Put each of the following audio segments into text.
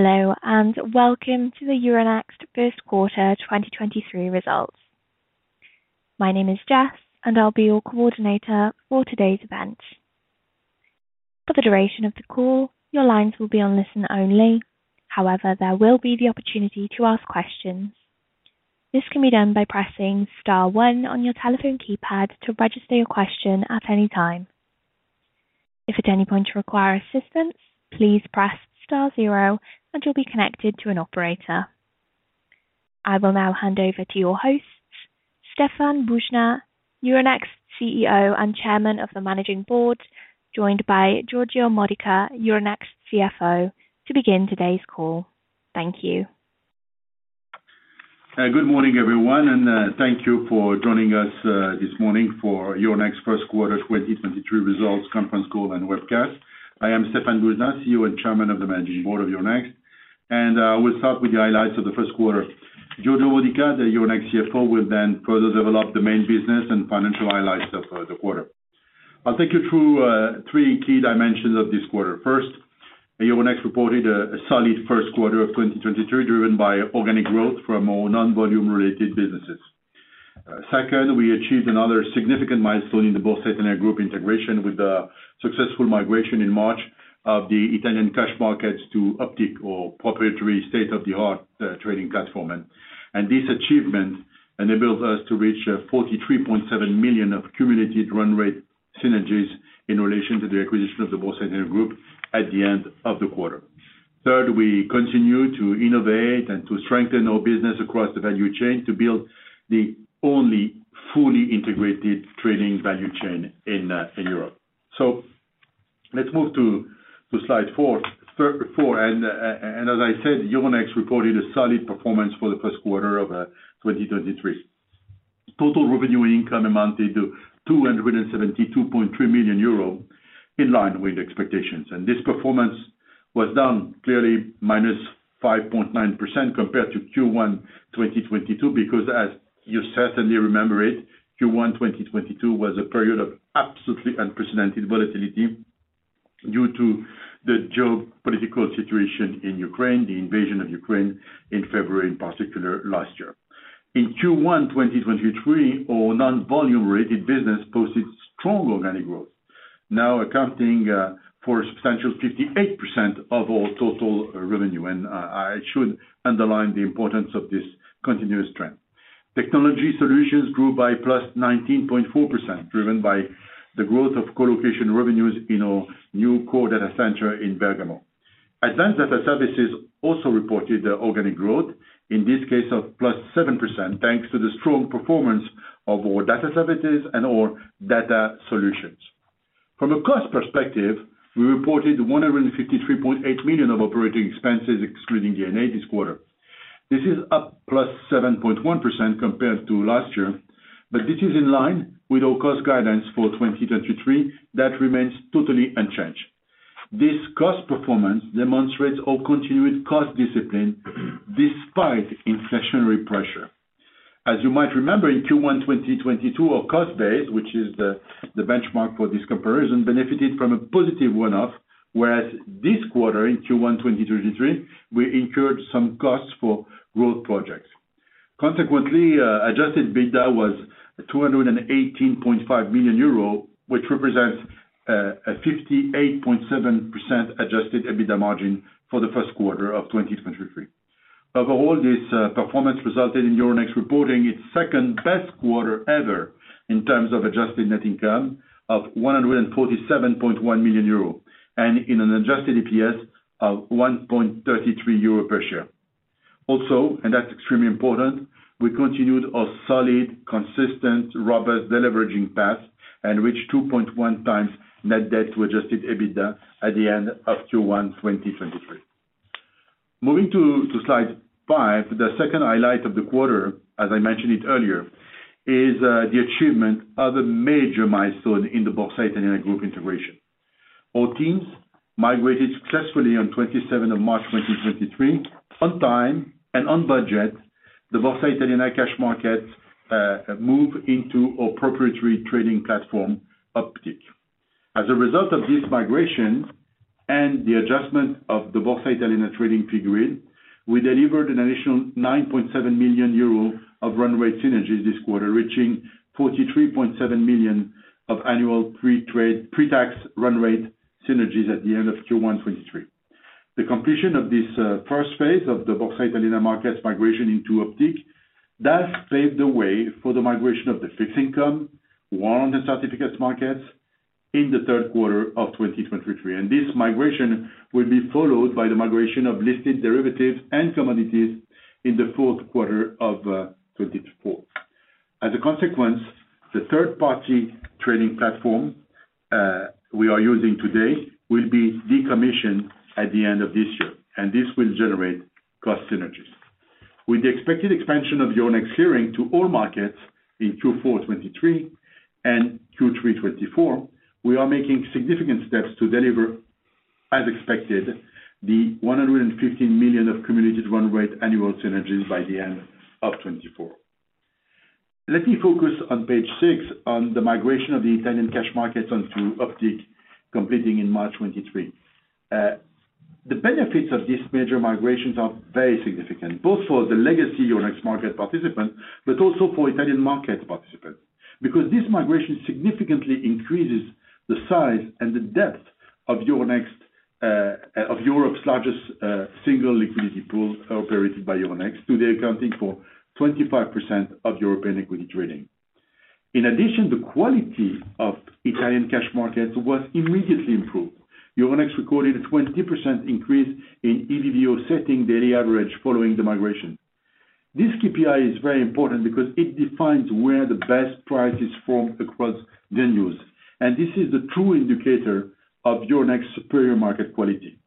Hello, welcome to the Euronext First Quarter 2023 Results. My name is Jess, I'll be your coordinator for today's event. For the duration of the call, your lines will be on listen only. However, there will be the opportunity to ask questions. This can be done by pressing star one on your telephone keypad to register your question at any time. If at any point you require assistance, please press star zero, and you'll be connected to an operator. I will now hand over to your hosts, Stéphane Boujnah, Euronext CEO and Chairman of the Managing Board, joined by Giorgio Modica, Euronext CFO, to begin today's call. Thank you. Good morning, everyone, thank you for joining us this morning for Euronext First Quarter 2023 Results Conference Call and Webcast. I am Stéphane Boujnah, CEO and Chairman of the Managing Board of Euronext. We'll start with the highlights of the first quarter. Giorgio Modica, the Euronext CFO, will then further develop the main business and financial highlights of the quarter. I'll take you through three key dimensions of this quarter. First, Euronext reported a solid first quarter of 2023, driven by organic growth from our non-volume related businesses. Second, we achieved another significant milestone in the Borsa Italiana Group integration with the successful migration in March of the Italian cash markets to Optiq or proprietary state-of-the-art trading platform. This achievement enables us to reach 43.7 million of cumulative run rate synergies in relation to the acquisition of the Borsa Italiana Group at the end of the quarter. Third, we continue to innovate and to strengthen our business across the value chain to build the only fully integrated trading value chain in Europe. Let's move to slide four. Four. And as I said, Euronext reported a solid performance for the first quarter of 2023. Total revenue income amounted to 272.3 million euro, in line with expectations. This performance was down clearly -5.9% compared to Q1 2022, because as you certainly remember it, Q1 2022 was a period of absolutely unprecedented volatility due to the geopolitical situation in Ukraine, the invasion of Ukraine in February in particular last year. In Q1 2023, our non-volume related business posted strong organic growth, now accounting for a substantial 58% of our total revenue. I should underline the importance of this continuous trend. Technology solutions grew by +19.4%, driven by the growth of colocation revenues in our new Core Data Centre in Bergamo. Advanced data services also reported organic growth, in this case of +7%, thanks to the strong performance of our data services and our data solutions. From a cost perspective, we reported 153.8 million of operating expenses excluding D&A this quarter. This is up +7.1% compared to last year. This is in line with our cost guidance for 2023. That remains totally unchanged. This cost performance demonstrates our continued cost discipline despite inflationary pressure. As you might remember, in Q1 2022, our cost base, which is the benchmark for this comparison, benefited from a positive one-off, whereas this quarter in Q1 2023, we incurred some costs for growth projects. Consequently, Adjusted EBITDA was 218.5 million euro, which represents a 58.7% Adjusted EBITDA margin for the first quarter of 2023. Overall, this performance resulted in Euronext reporting its second best quarter ever in terms of adjusted net income of 147.1 million euro and in an Adjusted EPS of 1.33 euro per share. Also, that's extremely important, we continued our solid, consistent, robust deleveraging path and reached 2.1x net debt-to-Adjusted EBITDA at the end of Q1 2023. Moving to slide five. The second highlight of the quarter, as I mentioned it earlier, is the achievement of a major milestone in the Borsa Italiana Group integration. Our teams migrated successfully on 27 of March 2023 on time and on budget, the Borsa Italiana cash markets moved into our proprietary trading platform, Optiq. As a result of this migration and the adjustment of the Borsa Italiana trading fee grid, we delivered an additional 9.7 million euro of run rate synergies this quarter, reaching 43.7 million of annual pre-tax run rate synergies at the end of Q1 2023. The completion of this first phase of the Borsa Italiana markets migration into Optiq does pave the way for the migration of the fixed income, warrant and certificates markets in the third quarter of 2023. This migration will be followed by the migration of listed derivatives and commodities in the fourth quarter of 2024. As a consequence, the third-party trading platform we are using today will be decommissioned at the end of this year, and this will generate cost synergies. With the expected expansion of Euronext Clearing to all markets in Q4 2023 and Q3 2024, we are making significant steps to deliver, as expected, the 115 million of cumulative run rate annual synergies by the end of 2024. Let me focus on page six on the migration of the Italian cash markets onto Optiq completing in March 2023. The benefits of these major migrations are very significant, both for the legacy Euronext market participant, but also for Italian market participant. This migration significantly increases the size and the depth of Euronext, of Europe's largest single liquidity pool operated by Euronext, today accounting for 25% of European equity trading. In addition, the quality of Italian cash markets was immediately improved. Euronext recorded a 20% increase in ADV setting daily average following the migration. This KPI is very important because it defines where the best price is formed across venues, and this is the true indicator of Euronext's superior market quality.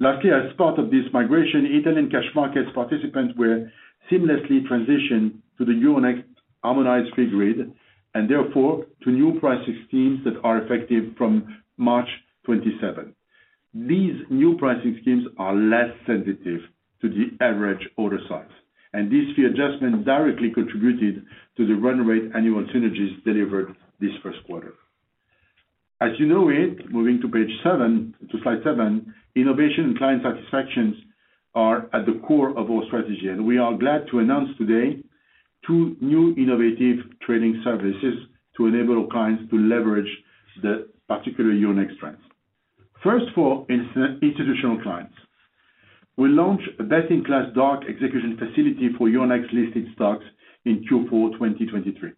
Lastly, as part of this migration, Italian cash markets participants were seamlessly transitioned to the Euronext harmonized fee grid, and therefore, to new pricing schemes that are effective from March 27. These new pricing schemes are less sensitive to the average order size, and this fee adjustment directly contributed to the run rate annual synergies delivered this first quarter. As you know it, moving to page seven, to slide seven, innovation and client satisfactions are at the core of our strategy, and we are glad to announce today two new innovative trading services to enable our clients to leverage the particular Euronext trends. First for institutional clients. We launch a best-in-class dark execution facility for Euronext-listed stocks in Q4, 2023.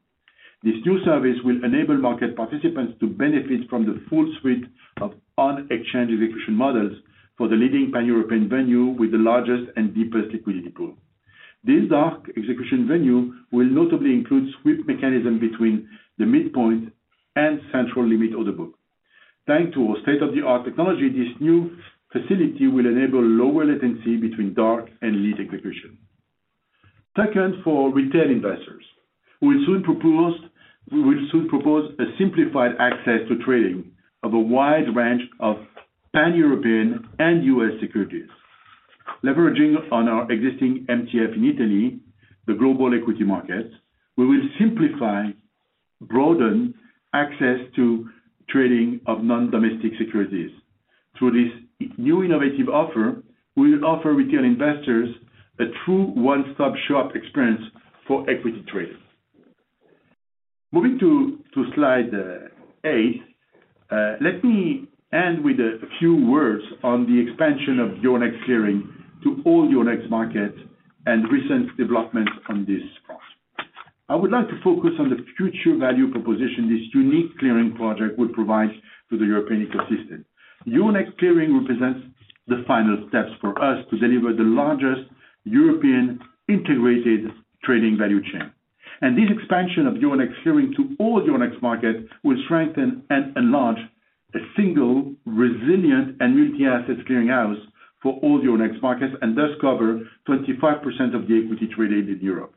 This new service will enable market participants to benefit from the full suite of on-exchange execution models for the leading Pan-European venue with the largest and deepest liquidity pool. This dark execution venue will notably include sweep mechanism between the midpoint and central limit order book. Thanks to our state-of-the-art technology, this new facility will enable lower latency between dark and lead execution. Second, for retail investors, we will soon propose a simplified access to trading of a wide range of Pan-European and U.S. securities. Leveraging on our existing MTF in Italy, the Global Equity Market, we will simplify, broaden access to trading of non-domestic securities. Through this new innovative offer, we will offer retail investors a true one-stop shop experience for equity trade. Moving to slide eight, let me end with a few words on the expansion of Euronext Clearing to all Euronext markets and recent developments on this front. I would like to focus on the future value proposition this unique clearing project would provide to the European ecosystem. Euronext Clearing represents the final steps for us to deliver the largest European integrated trading value chain. This expansion of Euronext Clearing to all Euronext markets will strengthen and enlarge a single resilient and multi-asset clearing house for all Euronext markets and thus cover 25% of the equity traded in Europe.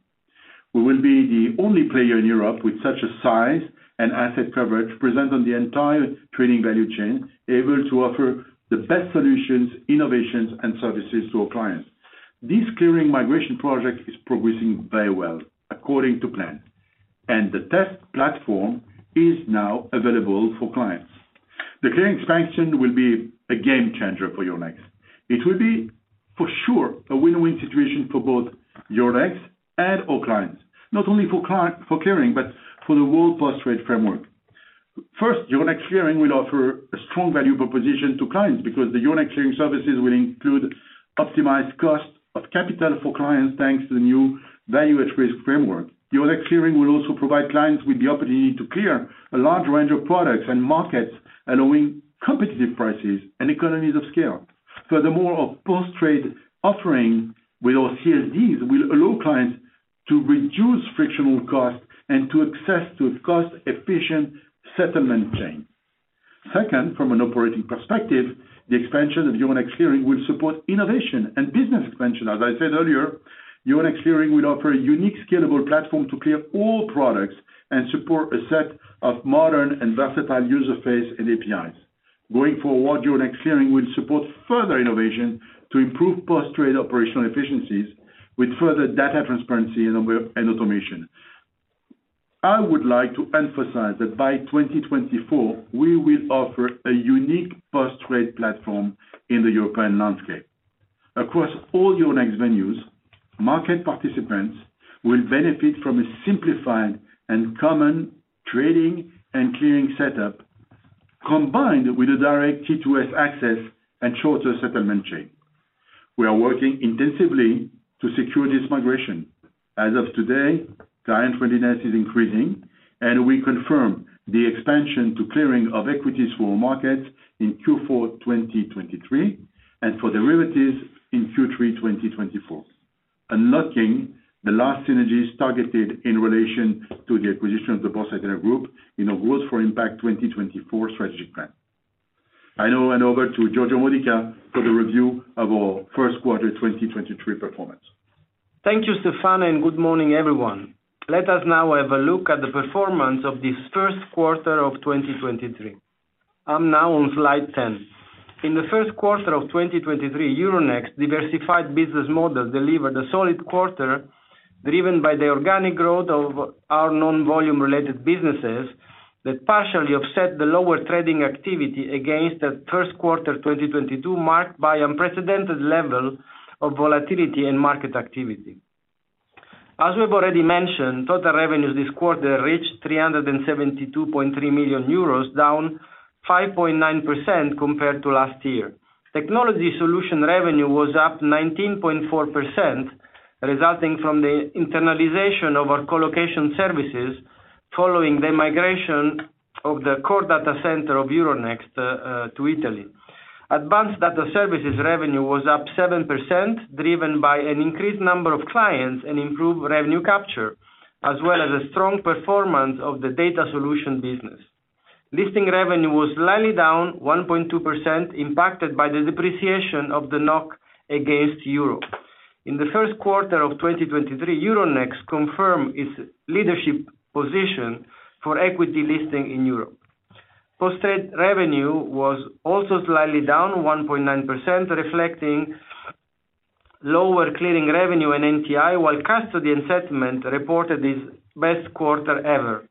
We will be the only player in Europe with such a size and asset coverage present on the entire trading value chain, able to offer the best solutions, innovations, and services to our clients. This clearing migration project is progressing very well according to plan. The test platform is now available for clients. The clearing expansion will be a game changer for Euronext. It will be for sure a win-win situation for both Euronext and our clients, not only for clearing, but for the whole post-trade framework. Euronext Clearing will offer a strong value proposition to clients because the Euronext Clearing services will include optimized cost of capital for clients, thanks to the new Value at Risk framework. Euronext Clearing will also provide clients with the opportunity to clear a large range of products and markets, allowing competitive prices and economies of scale. Our post-trade offering with our CSDs will allow clients to reduce frictional costs and to access to a cost-efficient settlement chain. From an operating perspective, the expansion of Euronext Clearing will support innovation and business expansion. As I said earlier, Euronext Clearing will offer a unique scalable platform to clear all products and support a set of modern and versatile user base and APIs. Going forward, Euronext Clearing will support further innovation to improve post-trade operational efficiencies with further data transparency and automation. I would like to emphasize that by 2024, we will offer a unique post-trade platform in the European landscape. Across all Euronext venues, market participants will benefit from a simplified and common trading and clearing setup, combined with a direct T2S access and shorter settlement chain. We are working intensively to secure this migration. As of today, client readiness is increasing. We confirm the expansion to clearing of equities for our markets in Q4 2023, and for derivatives in Q3 2024, unlocking the last synergies targeted in relation to the acquisition of the Borsa Italiana Group in our Growth for Impact 2024 strategic plan. I now hand over to Giorgio Modica for the review of our first quarter 2023 performance. Thank you, Stéphane. Good morning, everyone. Let us now have a look at the performance of this first quarter of 2023. I'm now on slide 10. In the first quarter of 2023, Euronext diversified business model delivered a solid quarter, driven by the organic growth of our non-volume related businesses that partially offset the lower trading activity against the first quarter 2022, marked by unprecedented level of volatility in market activity. As we've already mentioned, total revenues this quarter reached 372.3 million euros, down 5.9% compared to last year. Technology solution revenue was up 19.4%, resulting from the internalization of our colocation services following the migration of the Core Data Centre of Euronext to Italy. Advanced data services revenue was up 7%, driven by an increased number of clients and improved revenue capture, as well as a strong performance of the data solution business. Listing revenue was slightly down 1.2%, impacted by the depreciation of the NOK against EUR. In the first quarter of 2023, Euronext confirmed its leadership position for equity listing in Europe. Posted revenue was also slightly down 1.9%, reflecting lower clearing revenue and NTI, while custody and settlement reported its best quarter ever.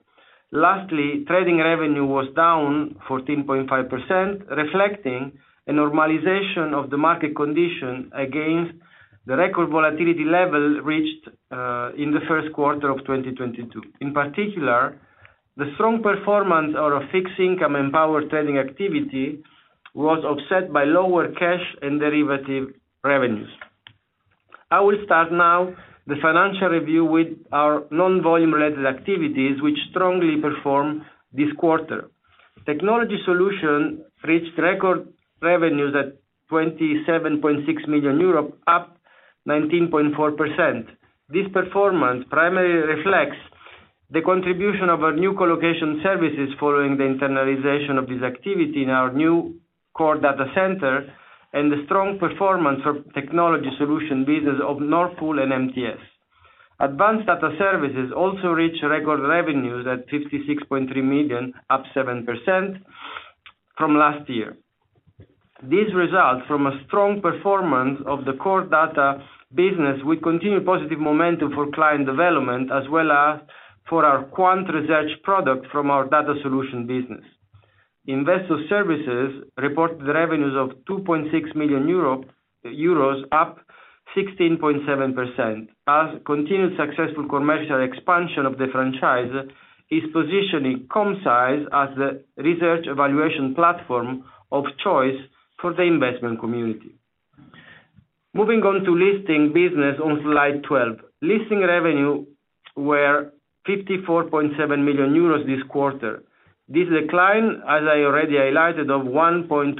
Lastly, trading revenue was down 14.5%, reflecting a normalization of the market condition against the record volatility level reached in the first quarter of 2022. In particular, the strong performance of our fixed income and power trading activity was offset by lower cash and derivative revenues. I will start now the financial review with our non-volume related activities which strongly performed this quarter. Technology solution reached record revenues at 27.6 million euros, up 19.4%. This performance primarily reflects the contribution of our new colocation services following the internalization of this activity in our new Core Data Centre and the strong performance of technology solution business of Nord Pool and MTS. Advanced data services also reached record revenues at 56.3 million, up 7% from last year. These results from a strong performance of the Core Data business will continue positive momentum for client development as well as for our quant research product from our data solution business. Investor services reported revenues of 2.6 million euro, up 16.7%, as continued successful commercial expansion of the franchise is positioning Commcise as the research evaluation platform of choice for the investment community. Moving on to listing business on slide 12. Listing revenue were 54.7 million euros this quarter. This decline, as I already highlighted, of 1.2%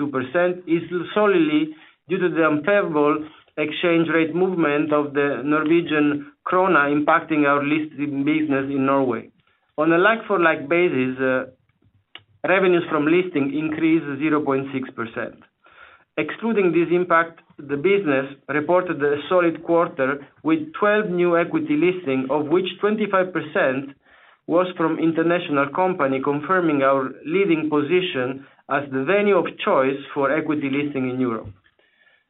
is solely due to the unfavorable exchange rate movement of the Norwegian krone impacting our listing business in Norway. On a like-for-like basis, revenues from listing increased 0.6%. Excluding this impact, the business reported a solid quarter with 12 new equity listing, of which 25% was from international company, confirming our leading position as the venue of choice for equity listing in Europe.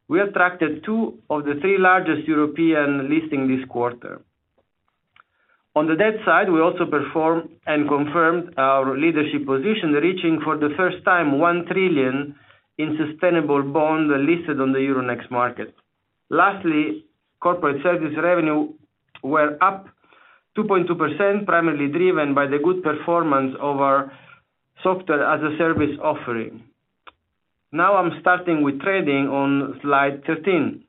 We attracted two of the three largest European listing this quarter. On the debt side, we also performed and confirmed our leadership position, reaching for the first time 1 trillion in sustainable bond listed on the Euronext market. Lastly, corporate service revenue were up 2.2%, primarily driven by the good performance of our Software as a Service offering. Now I'm starting with trading on slide 13.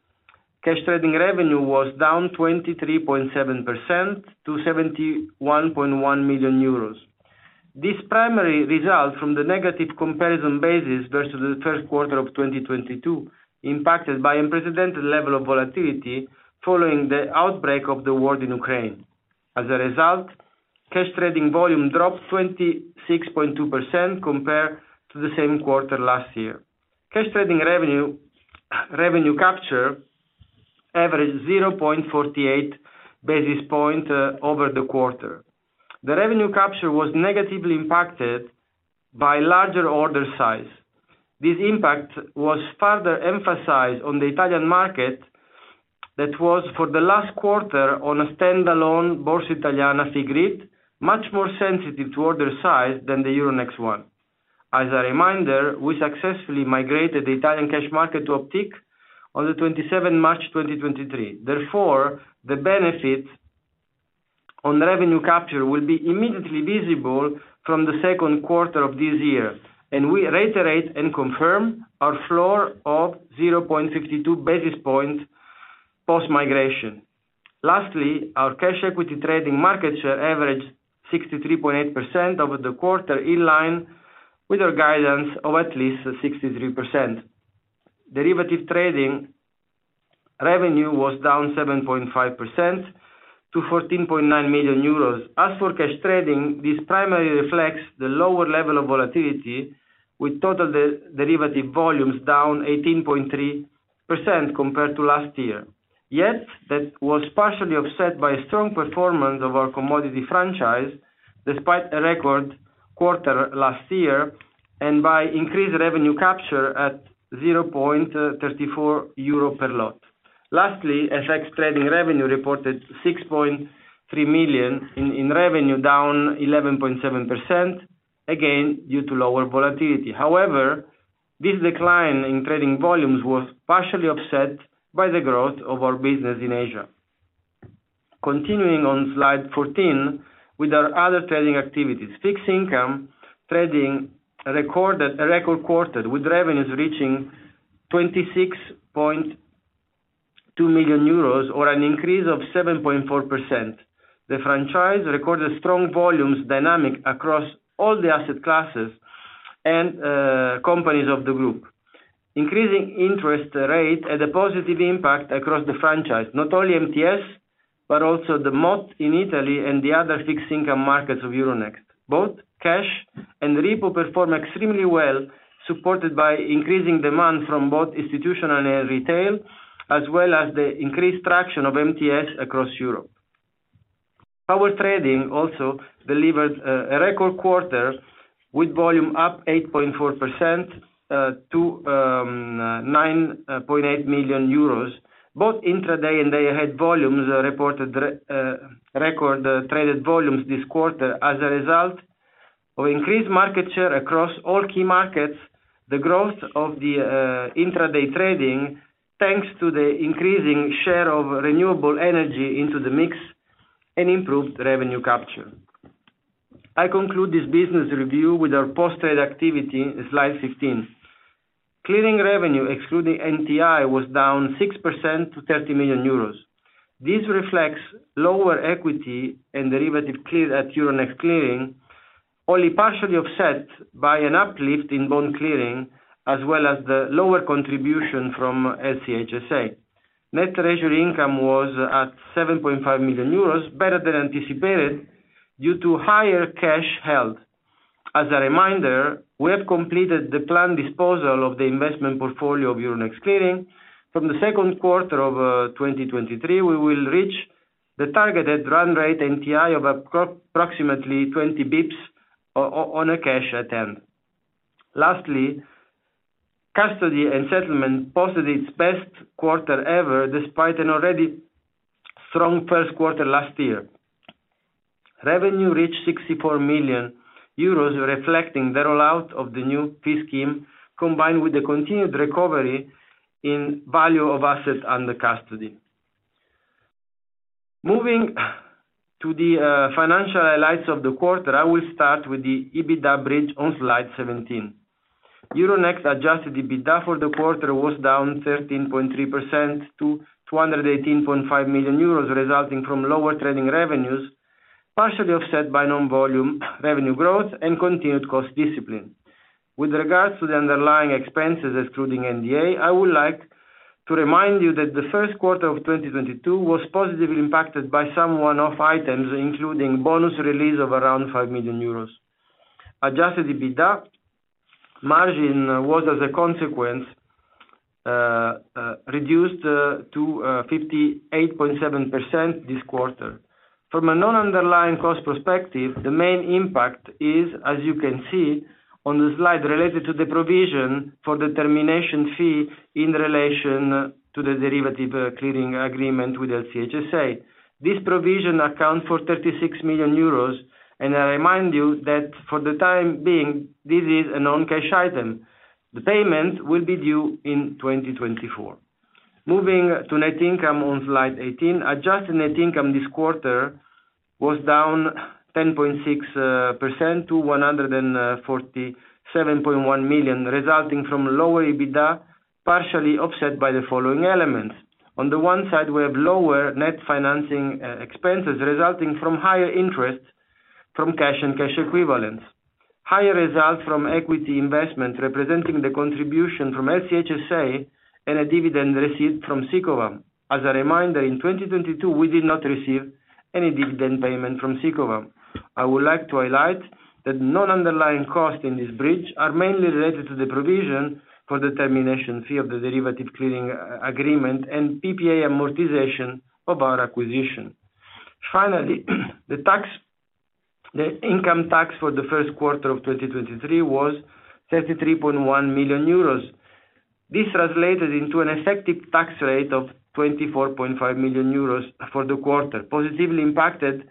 Cash trading revenue was down 23.7% to 71.1 million euros. This primary result from the negative comparison basis versus the first quarter of 2022, impacted by unprecedented level of volatility following the outbreak of the war in Ukraine. As a result, cash trading volume dropped 26.2% compared to the same quarter last year. Cash trading revenue capture averaged 0.48 basis point over the quarter. The revenue capture was negatively impacted by larger order size. This impact was further emphasized on the Italian market that was for the last quarter on a standalone Borsa Italiana fee grid, much more sensitive to order size than the Euronext one. As a reminder, we successfully migrated the Italian cash market to Optiq on the 27 March 2023. The benefit on revenue capture will be immediately visible from the second quarter of this year, and we reiterate and confirm our floor of 0.52 basis points post-migration. Our cash equity trading market share averaged 63.8% over the quarter, in line with our guidance of at least 63%. Derivative trading revenue was down 7.5% to 14.9 million euros. As for cash trading, this primarily reflects the lower level of volatility with total derivative volumes down 18.3% compared to last year. That was partially offset by strong performance of our commodity franchise, despite a record quarter last year and by increased revenue capture at 0.34 euro per lot. FX trading revenue reported 6.3 million in revenue, down 11.7%, again, due to lower volatility. This decline in trading volumes was partially offset by the growth of our business in Asia. Continuing on slide 14, with our other trading activities. Fixed income trading recorded a record quarter, with revenues reaching 26.2 million euros or an increase of 7.4%. The franchise recorded strong volumes dynamic across all the asset classes and companies of the group. Increasing interest rate had a positive impact across the franchise, not only MTS, but also the MOT in Italy and the other fixed income markets of Euronext. Both cash and repo performed extremely well, supported by increasing demand from both institutional and retail, as well as the increased traction of MTS across Europe. Power trading also delivered a record quarter with volume up 8.4% to 9.8 million euros. Both intraday and day ahead volumes, reported record traded volumes this quarter as a result of increased market share across all key markets, the growth of intraday trading, thanks to the increasing share of renewable energy into the mix and improved revenue capture. I conclude this business review with our post-trade activity, slide 15. Clearing revenue, excluding NTI, was down 6% to 30 million euros. This reflects lower equity and derivative clear at Euronext Clearing, only partially offset by an uplift in bond clearing, as well as the lower contribution from LCH SA. Net treasury income was at 7.5 million euros, better than anticipated due to higher cash held. As a reminder, we have completed the planned disposal of the investment portfolio of Euronext Clearing. From the second quarter of 2023, we will reach the targeted run rate NTI of approximately 20 basis points on a cash at held]. Lastly, custody and settlement posted its best quarter ever, despite an already strong first quarter last year. Revenue reached 64 million euros, reflecting the rollout of the new fee scheme, combined with the continued recovery in value of assets under custody. Moving to the financial highlights of the quarter, I will start with the EBITDA bridge on slide 17. Euronext Adjusted EBITDA for the quarter was down 13.3% to 218.5 million euros, resulting from lower trading revenues, partially offset by non-volume revenue growth and continued cost discipline. With regards to the underlying expenses excluding D&A, I would like to remind you that the first quarter of 2022 was positively impacted by some one off items, including bonus release of around 5 million euros. Adjusted EBITDA margin was as a consequence reduced to 58.7% this quarter. From a non-underlying cost perspective, the main impact is, as you can see on the slide, related to the provision for the termination fee in relation to the derivative clearing agreement with LCH SA. This provision accounts for 36 million euros, and I remind you that for the time being, this is a non-cash item. The payment will be due in 2024. Moving to net income on slide 18. Adjusted net income this quarter was down 10.6% to 147.1 million, resulting from lower EBITDA, partially offset by the following elements. On the one side, we have lower net financing expenses resulting from higher interest from cash and cash equivalents. Higher results from equity investment representing the contribution from LCH SA and a dividend received from Sicovam. As a reminder, in 2022, we did not receive any dividend payment from Sicovam. I would like to highlight that non-underlying costs in this bridge are mainly related to the provision for the termination fee of the derivative clearing agreement and PPA amortization of our acquisition. Finally, the income tax for the first quarter of 2023 was 33.1 million euros. This translated into an effective tax rate of 24.5 million euros for the quarter, positively impacted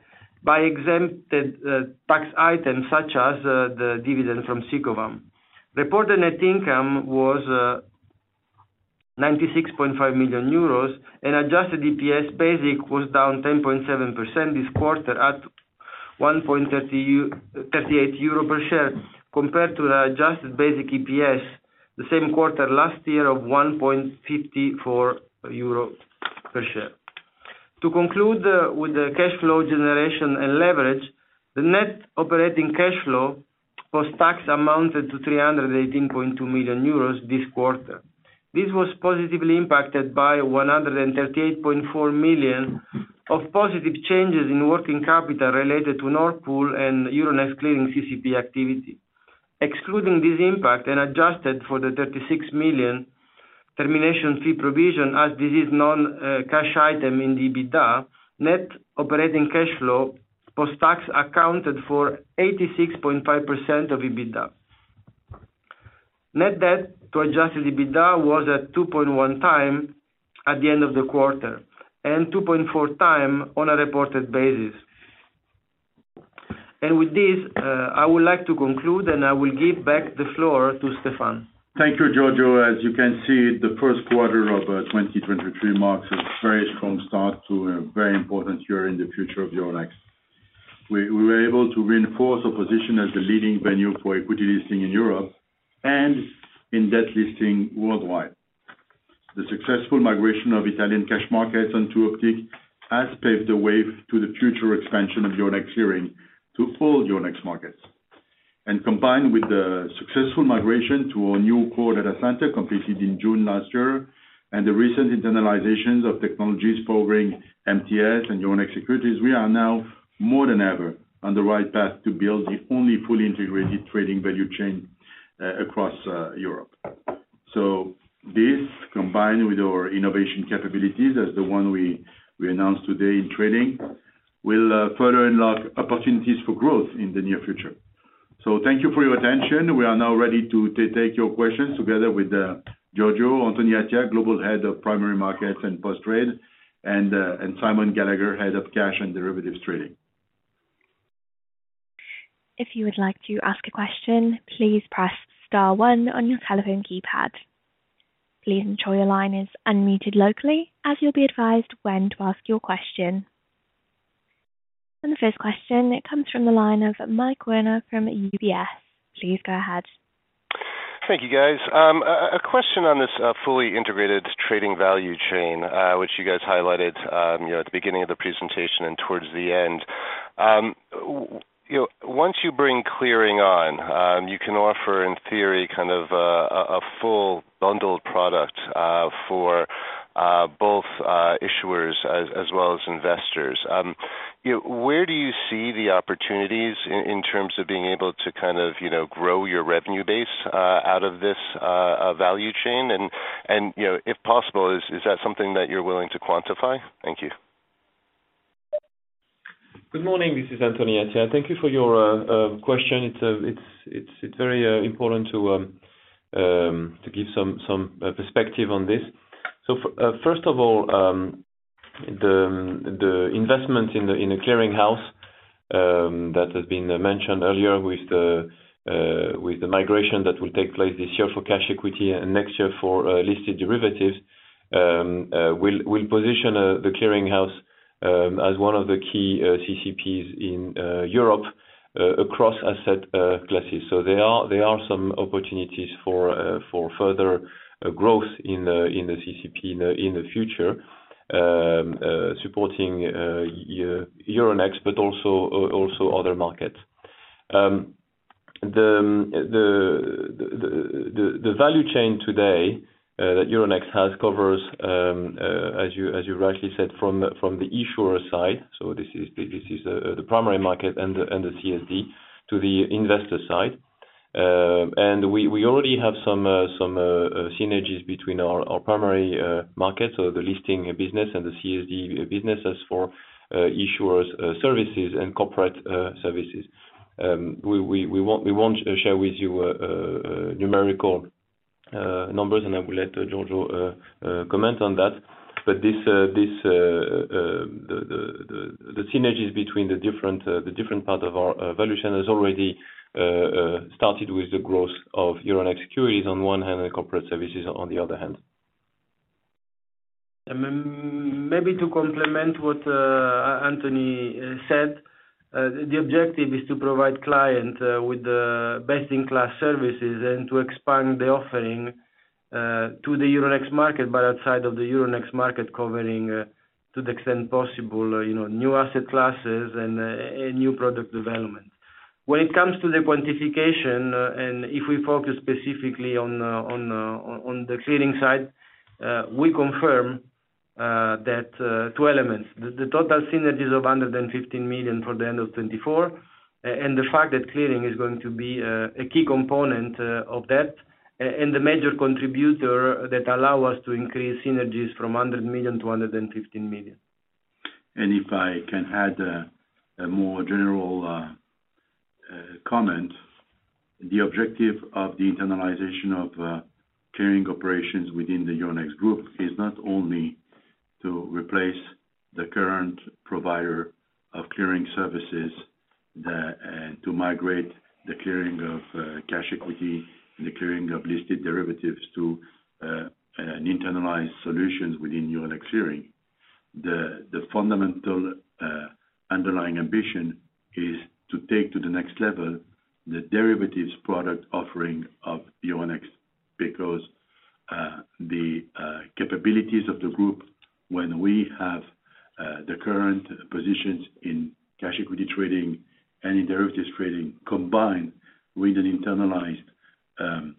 by exempted tax items such as the dividend from Sicovam. Reported net income was 96.5 million euros and Adjusted EPS basic was down 10.7% this quarter at 1.38 euro per share compared to the adjusted basic EPS the same quarter last year of 1.54 euro per share. To conclude, with the cash flow generation and leverage, the net operating cash flow post-tax amounted to 318.2 million euros this quarter. This was positively impacted by 138.4 million of positive changes in working capital related to Nord Pool and Euronext Clearing CCP activity. Excluding this impact and adjusted for the 36 million termination fee provision as this is non-cash item in the EBITDA, net operating cash flow post-tax accounted for 86.5% of EBITDA. Net debt to Adjusted EBITDA was at 2.1x at the end of the quarter, and 2.4x on a reported basis. With this, I would like to conclude, and I will give back the floor to Stéphane. Thank you, Giorgio. As you can see, the first quarter of 2023 marks a very strong start to a very important year in the future of Euronext. We were able to reinforce our position as the leading venue for equity listing in Europe and in debt listing worldwide. The successful migration of Italian cash markets on two Optiq has paved the way to the future expansion of Euronext Clearing to all Euronext markets. Combined with the successful migration to our new Core Data Center completed in June last year, and the recent internalizations of technologies powering MTS and Euronext Securities, we are now more than ever on the right path to build the only fully integrated trading value chain across Europe. This, combined with our innovation capabilities as the one we announced today in trading, will further unlock opportunities for growth in the near future. Thank you for your attention. We are now ready to take your questions together with Giorgio, Anthony Attia, Global Head of Primary Markets and Post Trade, and Simon Gallagher, Head of Cash and Derivatives Trading. If you would like to ask a question, please press star one on your telephone keypad. Please ensure your line is unmuted locally as you'll be advised when to ask your question. The first question, it comes from the line of Mike Werner from UBS. Please go ahead. Thank you, guys. A question on this fully integrated trading value chain, which you guys highlighted, you know, at the beginning of the presentation and towards the end. You know, once you bring clearing on, you can offer in theory kind of a full bundled product for both issuers as well as investors. You know, where do you see the opportunities in terms of being able to kind of, you know, grow your revenue base out of this value chain? You know, if possible, is that something that you're willing to quantify? Thank you. Good morning. This is Anthony Attia. Thank you for your question. It's very important to give some perspective on this. First of all, the investment in the clearing house that has been mentioned earlier with the migration that will take place this year for cash equity and next year for listed derivatives will position the clearing house as one of the key CCPs in Europe across asset classes. There are some opportunities for further growth in the CCP in the future, supporting Euronext, but also other markets. The value chain today that Euronext has covers as you rightly said, from the issuer side, so this is the primary market and the CSD to the investor side. We already have some synergies between our primary markets or the listing business and the CSD business as for issuers services and corporate services. We won't share with you numerical numbers, and I will let Giorgio comment on that. This the synergies between the different part of our valuation has already started with the growth of Euronext Securities on one hand and corporate services on the other hand. Maybe to complement what Anthony said, the objective is to provide client with the best-in-class services and to expand the offering to the Euronext market, but outside of the Euronext market covering to the extent possible, you know, new asset classes and new product development. When it comes to the quantification, and if we focus specifically on the clearing side, we confirm that two elements. The total synergies of 115 million for the end of 2024, and the fact that clearing is going to be a key component of that, and the major contributor that allow us to increase synergies from 100 million-115 million. If I can add a more general comment. The objective of the internalization of clearing operations within the Euronext Group is not only to replace the current provider of clearing services that to migrate the clearing of cash equity and the clearing of listed derivatives to an internalized solutions within Euronext Clearing. The fundamental underlying ambition is to take to the next level the derivatives product offering of Euronext. Because the capabilities of the group when we have the current positions in cash equity trading and in derivatives trading combined with an internalized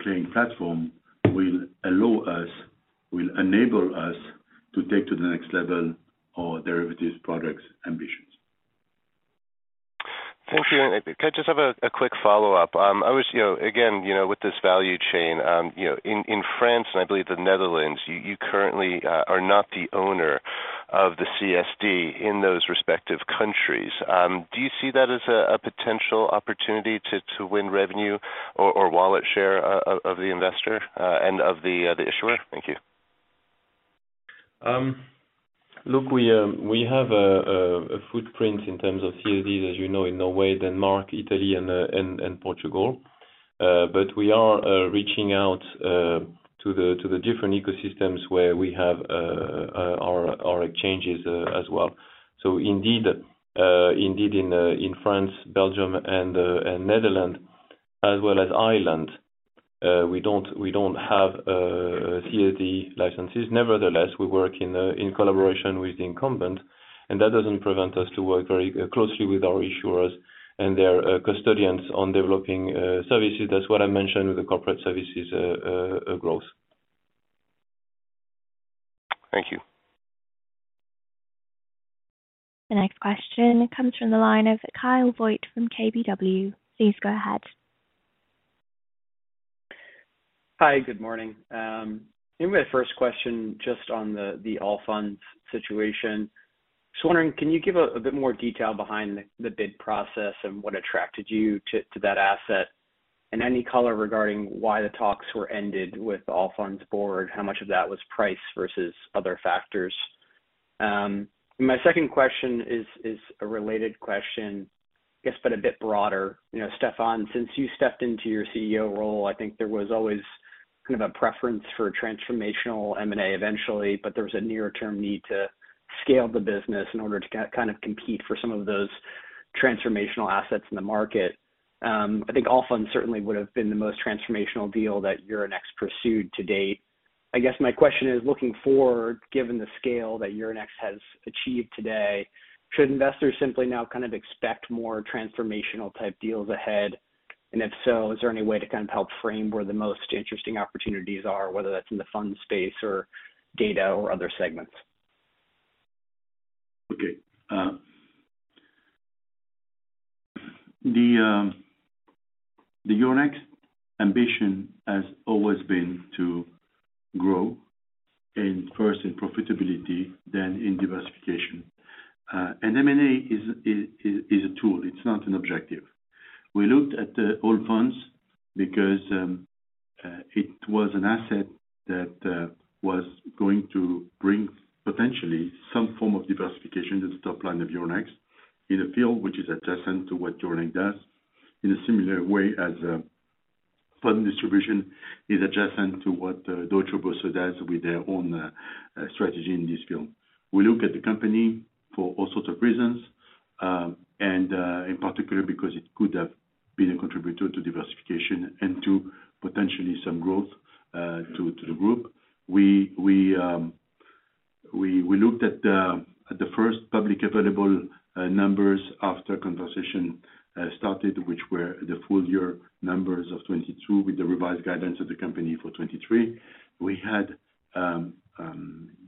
clearing platform will allow us, will enable us to take to the next level our derivatives products ambitions. Thank you. Can I just have a quick follow-up? I was, you know, again, you know, with this value chain, you know, in France and I believe the Netherlands, you currently are not the owner of the CSD in those respective countries. Do you see that as a potential opportunity to win revenue or wallet share of the investor and of the issuer? Thank you. Look, we have a footprint in terms of CSD, as you know, in Norway, Denmark, Italy, and Portugal. We are reaching out to the different ecosystems where we have our exchanges as well. Indeed, indeed in France, Belgium and Netherlands as well as Ireland, we don't have CSD licenses. Nevertheless, we work in collaboration with the incumbent, and that doesn't prevent us to work very closely with our issuers and their custodians on developing services. That's what I mentioned with the corporate services growth. Thank you. The next question comes from the line of Kyle Voigt from KBW. Please go ahead. Hi, good morning. Maybe my first question just on the Allfunds situation. Just wondering, can you give a bit more detail behind the bid process and what attracted you to that asset? Any color regarding why the talks were ended with the Allfunds board, how much of that was price versus other factors? My second question is a related question I guess, a bit broader. You know, Stéphane, since you stepped into your CEO role, I think there was always kind of a preference for transformational M&A eventually, but there was a near-term need to scale the business in order to kind of compete for some of those transformational assets in the market. I think Allfunds certainly would've been the most transformational deal that Euronext pursued to date. I guess my question is looking forward, given the scale that Euronext has achieved today, should investors simply now kind of expect more transformational type deals ahead, and if so, is there any way to kind of help frame where the most interesting opportunities are, whether that's in the fund space or data or other segments? Okay. The Euronext ambition has always been to grow and first in profitability then in diversification. M&A is a tool. It's not an objective. We looked at the Allfunds because it was an asset that was going to bring potentially some form of diversification to the top line of Euronext in a field which is adjacent to what Euronext does in a similar way as fund distribution is adjacent to what Deutsche Börse does with their own strategy in this field. We look at the company for all sorts of reasons, and in particular because it could have been a contributor to diversification and to potentially some growth to the group. We looked at the first public available numbers after conversation started, which were the full year numbers of 2022 with the revised guidance of the company for 2023. We had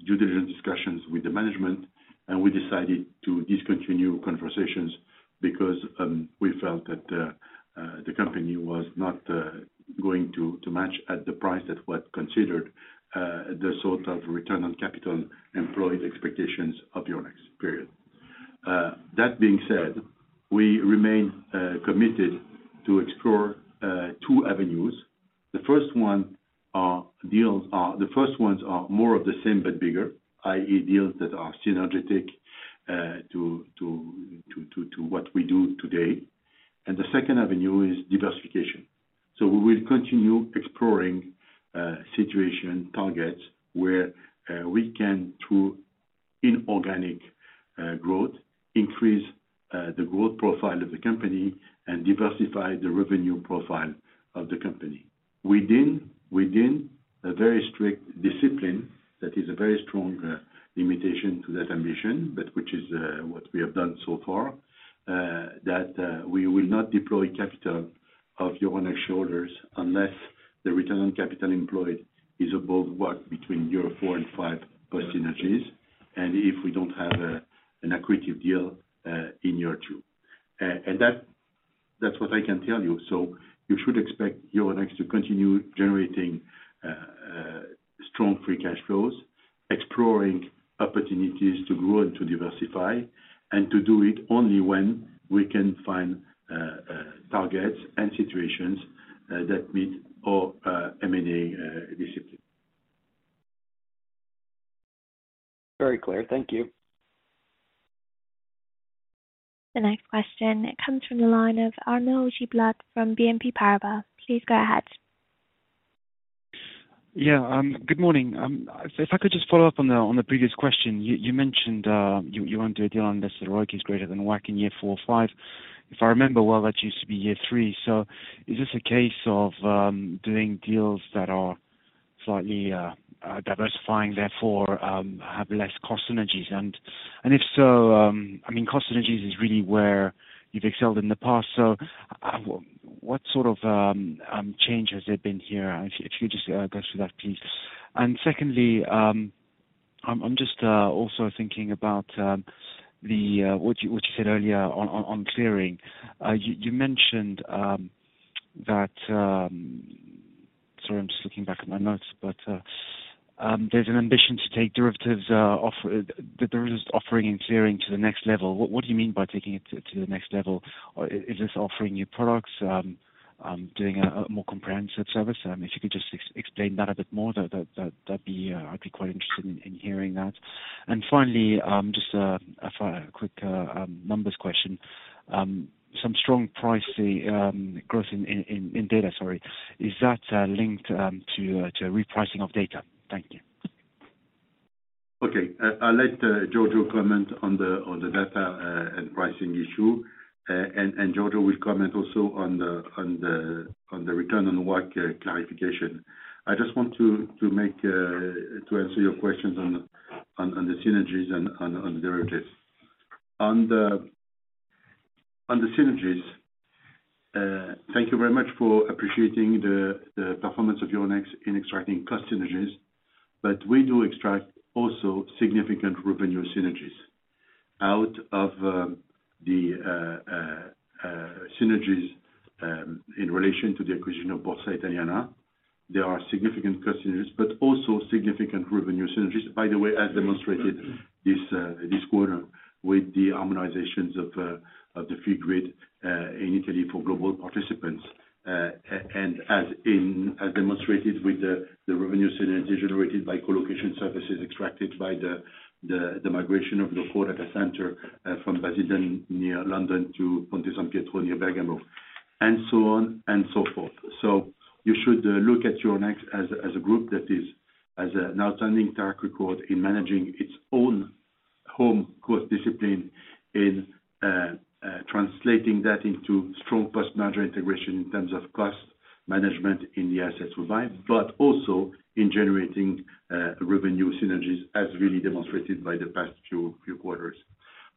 due diligent discussions with the management, and we decided to discontinue conversations because we felt that the company was not going to match at the price that was considered the sort of return on capital employed expectations of Euronext. Period. That being said, we remain committed to explore two avenues. The first ones are more of the same but bigger, i.e. deals that are synergetic to what we do today. The second avenue is diversification. We will continue exploring situation targets where we can through inorganic growth, increase the growth profile of the company and diversify the revenue profile of the company within a very strict discipline that is a very strong limitation to that ambition, but which is what we have done so far. That we will not deploy capital of Euronext shoulders unless the return on capital employed is above what between year four and five cost synergies and if we don't have an accretive deal in year two. And that's what I can tell you. You should expect Euronext to continue generating strong free cash flows, exploring opportunities to grow and to diversify, and to do it only when we can find targets and situations that meet our M&A discipline. Very clear. Thank you. The next question comes from the line of Arnaud Giblat from BNP Paribas. Please go ahead. Yeah. Good morning. If I could just follow-up on the previous question. You mentioned you won't do a deal unless the ROIC is greater than WACC in year four or five. If I remember well, that used to be year three. Is this a case of doing deals that are slightly diversifying therefore, have less cost synergies? If so, I mean, cost synergies is really where you've excelled in the past. What sort of change has there been here? If you could just go through that, please. Secondly, I'm just also thinking about the what you said earlier on clearing. You mentioned that... Sorry, I'm just looking back at my notes, but, there's an ambition to take derivatives offering and clearing to the next level. What do you mean by taking it to the next level? Or is this offering new products, doing a more comprehensive service? I mean, if you could just explain that a bit more, that'd be, I'd be quite interested in hearing that. Finally, just a quick numbers question. Some strong pricing growth in data, sorry. Is that linked to repricing of data? Thank you. Okay. I'll let Giorgio comment on the data, and pricing issue. Giorgio will comment also on the return on work clarification. I just want to make to answer your questions on the synergies and on the derivatives. On the synergies, thank you very much for appreciating the performance of Euronext in extracting cost synergies, but we do extract also significant revenue synergies. Out of the synergies in relation to the acquisition of Borsa Italiana, there are significant cost synergies, but also significant revenue synergies, by the way, as demonstrated this quarter with the harmonizations of the fee grid in Italy for global participants. As demonstrated with the revenue synergy generated by colocation services extracted by the migration of Core Data Centre from Basildon near London to Ponte San Pietro near Bergamo, and so on and so forth. You should look at Euronext as a group that has an outstanding track record in managing its own home cost discipline in translating that into strong post-merger integration in terms of cost management in the assets provide, but also in generating revenue synergies as really demonstrated by the past few quarters.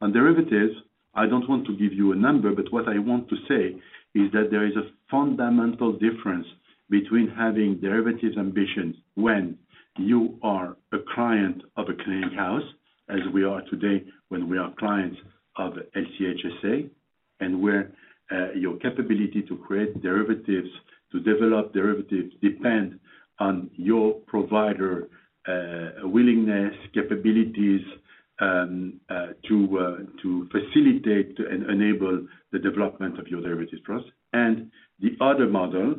On derivatives, I don't want to give you a number, but what I want to say is that there is a fundamental difference between having derivatives ambitions when you are a client of a clearing house, as we are today, when we are clients of LCH SA, and where your capability to create derivatives, to develop derivatives depend on your provider willingness, capabilities, to facilitate and enable the development of your derivatives process. The other model,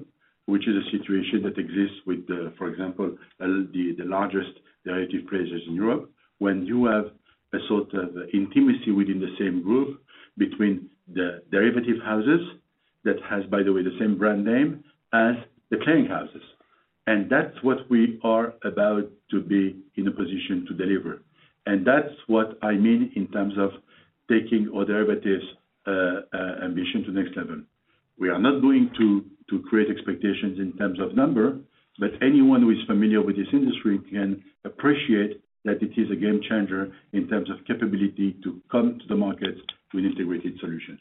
which is a situation that exists with the, for example, the largest derivative players in Europe, when you have a sort of intimacy within the same group between the derivative houses that has, by the way, the same brand name as the clearing houses. That's what we are about to be in a position to deliver. That's what I mean in terms of taking our derivatives ambition to next level. We are not going to create expectations in terms of number, but anyone who is familiar with this industry can appreciate that it is a game changer in terms of capability to come to the market with integrated solutions.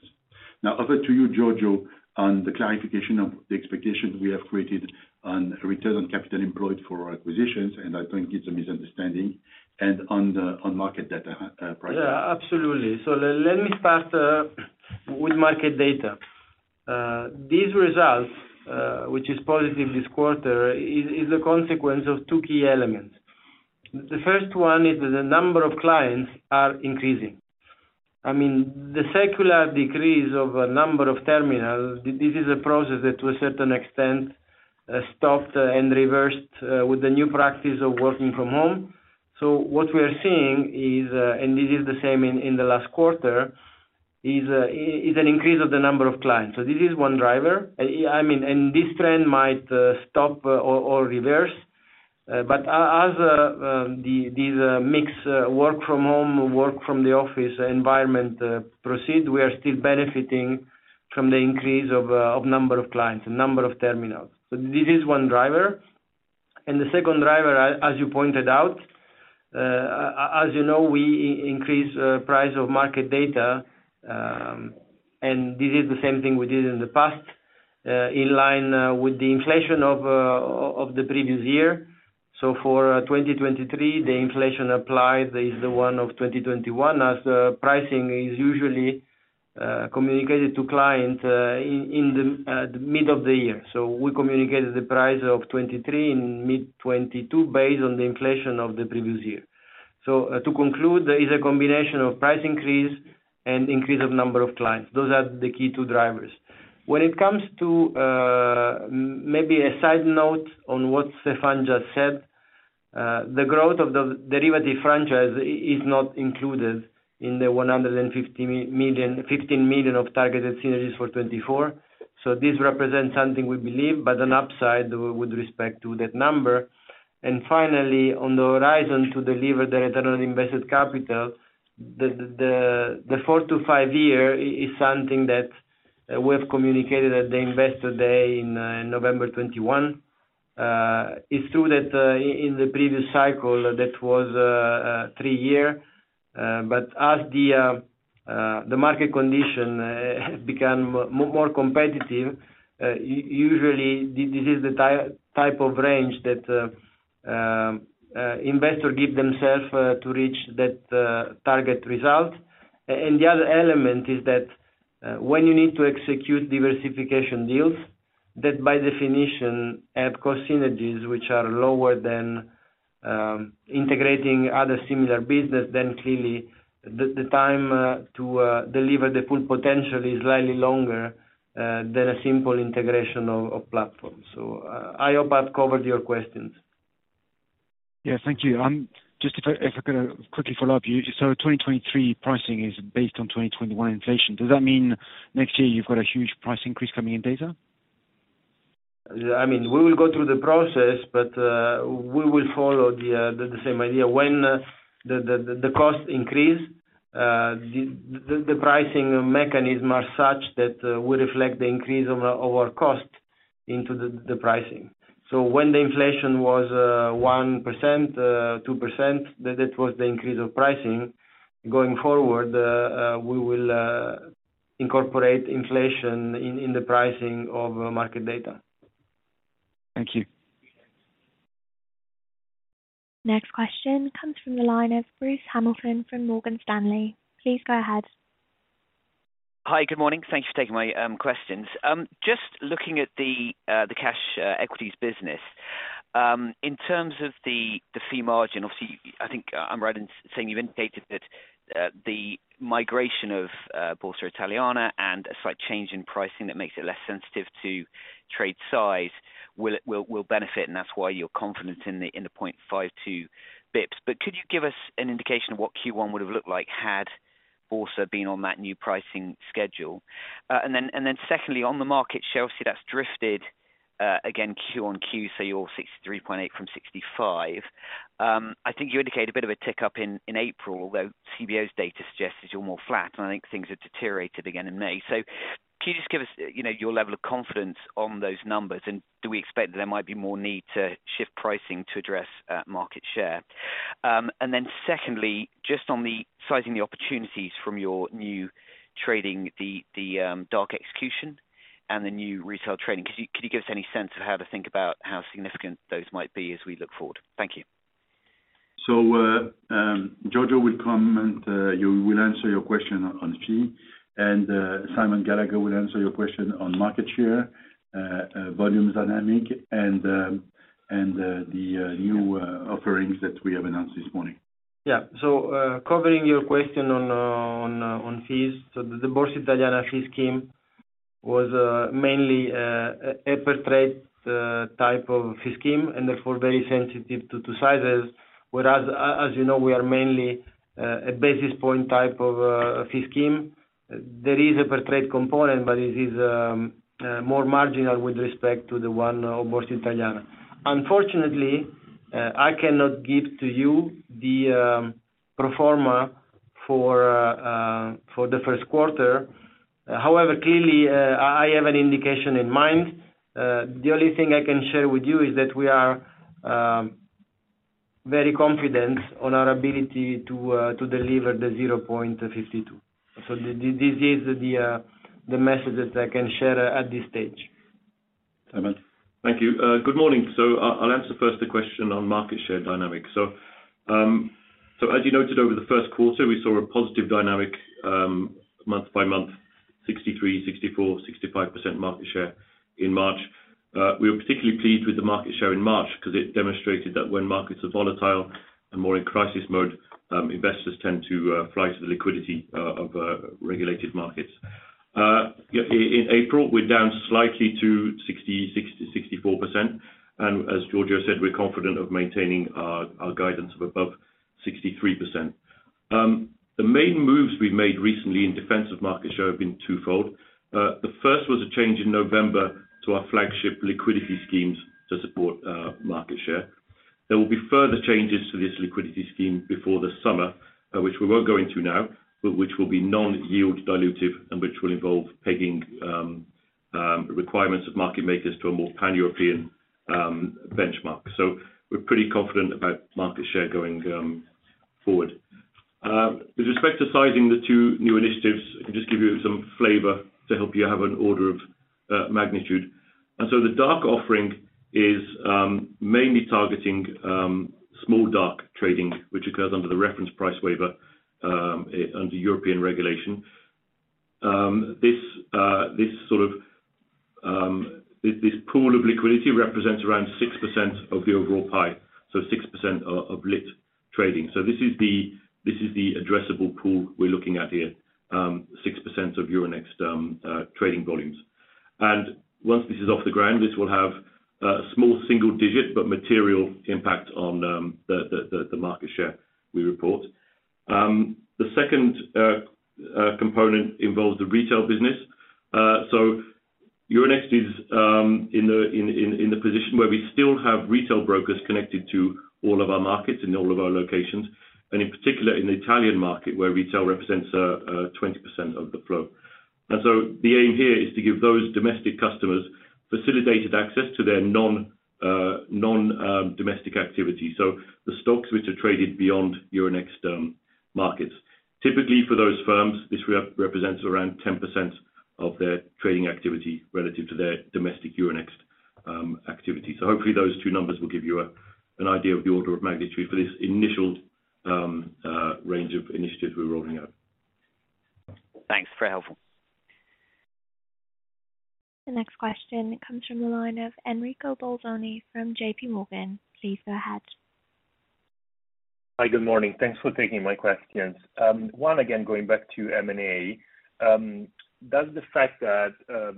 Now over to you, Giorgio, on the clarification of the expectation we have created on return on capital employed for our acquisitions, and I think it's a misunderstanding and on market data pricing. Yeah, absolutely. Let me start with market data. These results, which is positive this quarter, is a consequence of two key elements. The first one is the number of clients are increasing. I mean, the secular decrease of a number of terminals, this is a process that to a certain extent stopped and reversed with the new practice of working from home. What we are seeing is, and this is the same in the last quarter, is an increase of the number of clients. This is one driver. I mean, and this trend might stop or reverse. As this mix work from home, work from the office environment proceed, we are still benefiting from the increase of number of clients, number of terminals. This is one driver. The second driver, as you pointed out, as you know, we increase price of market data, and this is the same thing we did in the past, in line with the inflation of the previous year. For 2023, the inflation applied is the one of 2021, as the pricing is usually communicated to clients in the mid-year. We communicated the price of 2023 in mid-2022 based on the inflation of the previous year. To conclude, there is a combination of price increase and increase of number of clients. Those are the key two drivers. When it comes to maybe a side note on what Stéphane just said, the growth of the derivative franchise is not included in the 15 million of targeted synergies for 2024. This represents something we believe, but an upside with respect to that number. Finally, on the horizon to deliver the return on invested capital, the four to five year is something that we have communicated at the Investor Day in November 2021. It's true that in the previous cycle that was a three-year. As the market condition become more competitive, usually this is the type of range that investor give themself to reach that target result. The other element is that, when you need to execute diversification deals, that by definition add cost synergies which are lower than, integrating other similar business, then clearly the time to deliver the full potential is slightly longer than a simple integration of platforms. I hope I've covered your questions. Yeah. Thank you. Just if I, if I could quickly follow-up. 2023 pricing is based on 2021 inflation. Does that mean next year you've got a huge price increase coming in data? Yeah. I mean, we will go through the process, we will follow the same idea. When the cost increase, the pricing mechanism are such that we reflect the increase of our cost into the pricing. When the inflation was 1%, 2%, then that was the increase of pricing. Going forward, we will incorporate inflation in the pricing of market data. Thank you. Next question comes from the line of Bruce Hamilton from Morgan Stanley. Please go ahead. Hi. Good morning. Thanks for taking my questions. Just looking at the cash equities business. In terms of the fee margin, obviously, I think I'm right in saying you've indicated that the migration of Borsa Italiana and a slight change in pricing that makes it less sensitive to trade size will benefit, and that's why you're confident in the 0.52 basis points. But could you give us an indication of what Q1 would've looked like had Borsa been on that new pricing schedule? Then secondly, on the market share, obviously that's drifted again quarter-on-quarter so you're 63.8% from 65%. I think you indicate a bit of a tick up in April, although Cboe's data suggests that you're more flat, and I think things have deteriorated again in May. Can you just give us, you know, your level of confidence on those numbers, and do we expect that there might be more need to shift pricing to address market share? Then secondly, just on the sizing the opportunities from your new trading, the dark execution and the new retail trading, could you give us any sense of how to think about how significant those might be as we look forward? Thank you. Giorgio will comment, will answer your question on fee. Simon Gallagher will answer your question on market share, volume dynamic and, the new offerings that we have announced this morning. Covering your question on fees. The Borsa Italiana fee scheme was mainly a per trade type of fee scheme, and therefore very sensitive to sizes. Whereas as you know, we are mainly a basis point type of fee scheme. There is a per trade component, but it is more marginal with respect to the one of Borsa Italiana. Unfortunately, I cannot give to you the pro forma for the first quarter. However, clearly, I have an indication in mind. The only thing I can share with you is that we are very confident on our ability to deliver 0.52. This is the message that I can share at this stage. Simon. Thank you. Good morning. I'll answer first the question on market share dynamics. As you noted over the first quarter, we saw a positive dynamic month by month, 63%, 64%, 65% market share in March. We were particularly pleased with the market share in March 'cause it demonstrated that when markets are volatile and more in crisis mode, investors tend to fly to the liquidity of regulated markets. In April we're down slightly to 60%, 60%, 64%. As Giorgio said, we're confident of maintaining our guidance of above 63%. The main moves we've made recently in defense of market share have been twofold. The first was a change in November to our flagship liquidity schemes to support market share. There will be further changes to this liquidity scheme before the summer, which we won't go into now, but which will be non-yield dilutive and which will involve pegging requirements of market makers to a more pan-European benchmark. We're pretty confident about market share going forward. With respect to sizing the two new initiatives, I can just give you some flavor to help you have an order of magnitude. The dark offering is mainly targeting small dark trading, which occurs under the reference price waiver under European regulation. This sort of this pool of liquidity represents around 6% of the overall pie, so 6% of lit trading. This is the addressable pool we're looking at here, 6% of Euronext trading volumes. Once this is off the ground, this will have a small single digit, but material impact on the market share we report. The second component involves the retail business. Euronext is in the position where we still have retail brokers connected to all of our markets in all of our locations, and in particular in the Italian market, where retail represents 20% of the flow. The aim here is to give those domestic customers facilitated access to their non-domestic activity. The stocks which are traded beyond Euronext markets. Typically for those firms, this represents around 10% of their trading activity relative to their domestic Euronext activity. Hopefully those two numbers will give you an idea of the order of magnitude for this initial range of initiatives we're rolling out. Thanks. Very helpful. The next question comes from the line of Enrico Bolzoni from JPMorgan. Please go ahead. Hi, good morning. Thanks for taking my questions. One, again, going back to M&A, does the fact that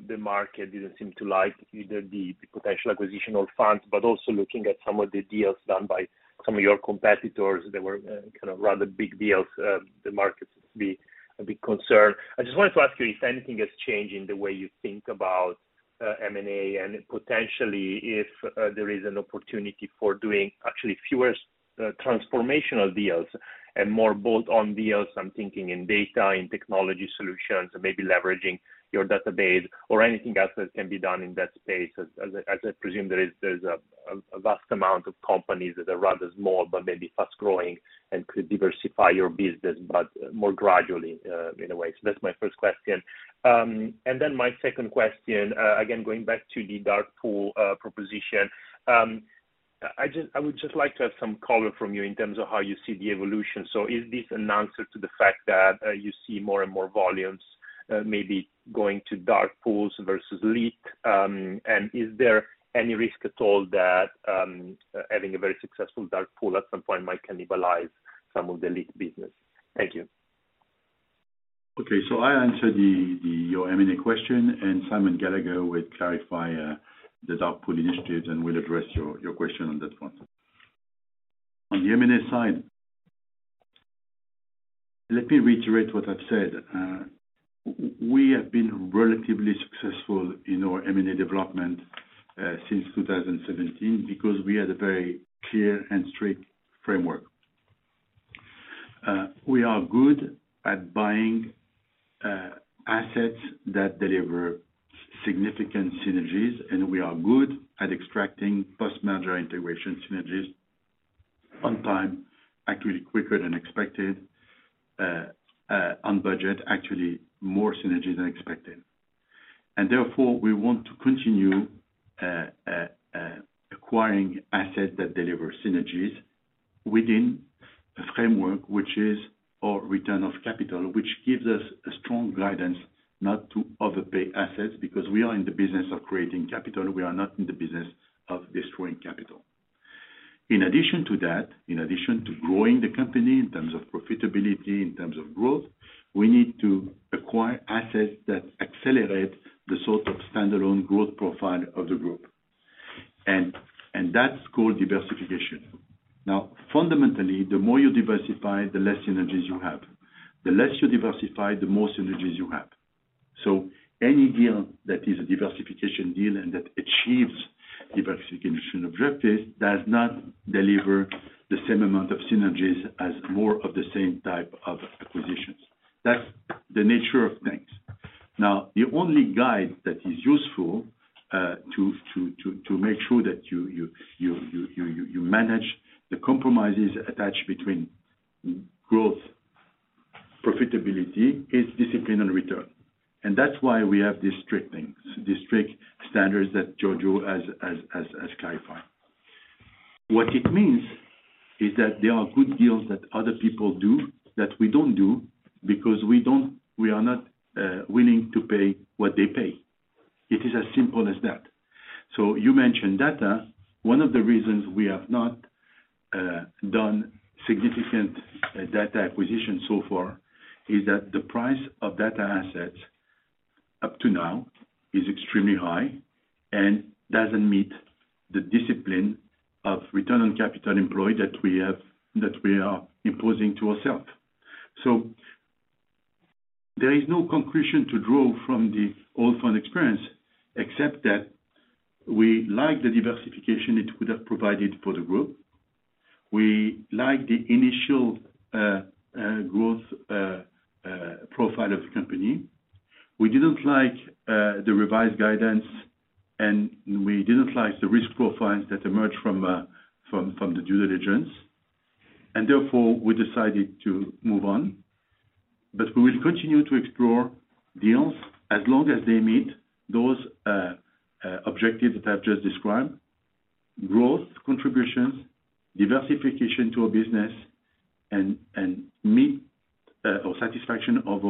the market didn't seem to like either the potential acquisitional funds, but also looking at some of the deals done by some of your competitors that were kind of rather big deals, the markets be a big concern? I just wanted to ask you if anything has changed in the way you think about M&A and potentially if there is an opportunity for doing actually fewer transformational deals and more bolt-on deals. I'm thinking in data, in technology solutions, or maybe leveraging your database or anything else that can be done in that space. As I presume there is, there's a vast amount of companies that are rather small, but may be fast-growing and could diversify your business, but more gradually in a way. That's my first question. Then my second question, again, going back to the dark pool proposition. I would just like to have some color from you in terms of how you see the evolution. Is this an answer to the fact that you see more and more volumes maybe going to dark pools versus lit, and is there any risk at all that having a very successful dark pool at some point might cannibalize some of the lit business? Thank you. Okay. I answer the your M&A question. Simon Gallagher will clarify the dark pool initiatives and will address your question on that front. On the M&A side, let me reiterate what I've said. We have been relatively successful in our M&A development since 2017 because we had a very clear and strict framework. We are good at buying assets that deliver significant synergies, and we are good at extracting post-merger integration synergies on time, actually quicker than expected, on budget, actually more synergies than expected. We want to continue acquiring assets that deliver synergies within a framework which is our return of capital, which gives us a strong guidance not to overpay assets because we are in the business of creating capital. We are not in the business of destroying capital. In addition to that, in addition to growing the company in terms of profitability, in terms of growth, we need to acquire assets that accelerate the sort of standalone growth profile of the group. That's called diversification. Fundamentally, the more you diversify, the less synergies you have. The less you diversify, the more synergies you have. Any deal that is a diversification deal and that achieves diversification objectives does not deliver the same amount of synergies as more of the same type of acquisitions. That's the nature of things. The only guide that is useful to make sure that you manage the compromises attached between growth, profitability is discipline and return. That's why we have these strict things, these strict standards that Giorgio has clarified. What it means is that there are good deals that other people do that we don't do because we are not willing to pay what they pay. It is as simple as that. You mentioned data. One of the reasons we have not done significant data acquisition so far is that the price of data assets up to now is extremely high and doesn't meet the discipline of return on capital employed that we have, that we are imposing to ourselves. There is no conclusion to draw from the Allfunds experience, except that we like the diversification it would have provided for the group. We like the initial growth profile of the company. We didn't like the revised guidance, and we didn't like the risk profiles that emerged from the due diligence. Therefore, we decided to move on. We will continue to explore deals as long as they meet those objectives that I've just described, growth contributions, diversification to our business and meet or satisfaction of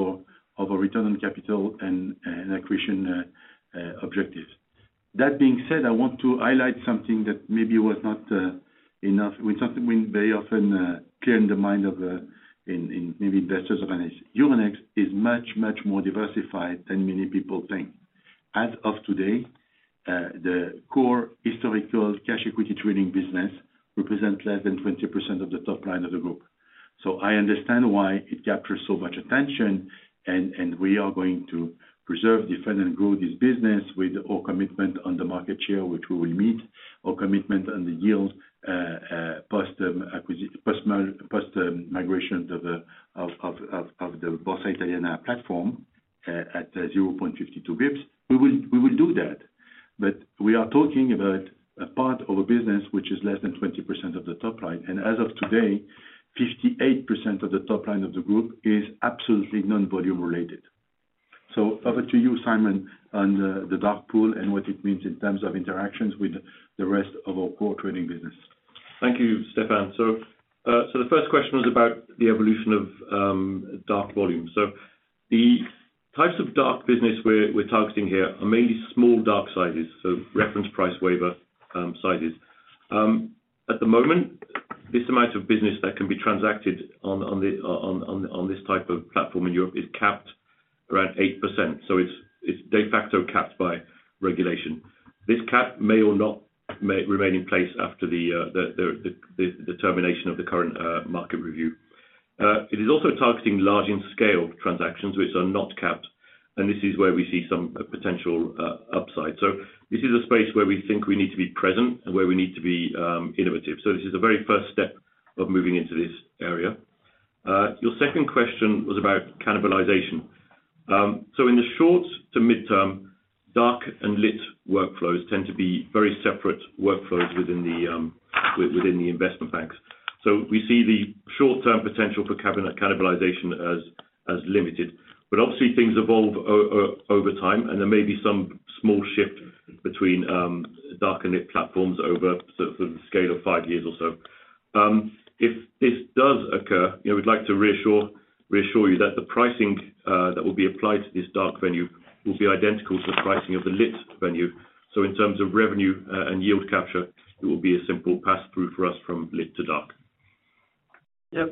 our return on capital and acquisition objectives. That being said, I want to highlight something that maybe was not enough. It's something we very often clear in the mind of in maybe investors of Euronext. Euronext is much, much more diversified than many people think. As of today, the core historical cash equity trading business represent less than 20% of the top line of the group. I understand why it captures so much attention and we are going to preserve, defend, and grow this business with our commitment on the market share, which we will meet our commitment on the yield post the migration of the Borsa Italiana platform at 0.52 basis points. We will do that. We are talking about a part of a business which is less than 20% of the top line, and as of today, 58% of the top line of the group is absolutely non-volume related. Over to you, Simon, on the dark pool and what it means in terms of interactions with the rest of our core trading business. Thank you, Stéphane. The first question was about the evolution of dark volume. The types of dark business we're targeting here are mainly small dark sizes, reference price waiver sizes. At the moment, this amount of business that can be transacted on this type of platform in Europe is capped around 8%. It's de facto capped by regulation. This cap may or not may remain in place after the termination of the current market review. It is also targeting large in scale transactions which are not capped, and this is where we see some potential upside. This is a space where we think we need to be present and where we need to be innovative. This is the very first step of moving into this area. Your second question was about cannibalization. In the short to mid-term, dark and lit workflows tend to be very separate workflows within the investment banks. We see the short-term potential for cannibalization as limited. Obviously, things evolve over time, and there may be some small shift between dark and lit platforms over the scale of five years or so. If this does occur, you know, we'd like to reassure you that the pricing that will be applied to this dark venue will be identical to the pricing of the lit venue. In terms of revenue, and yield capture, it will be a simple pass-through for us from lit to dark. Yeah.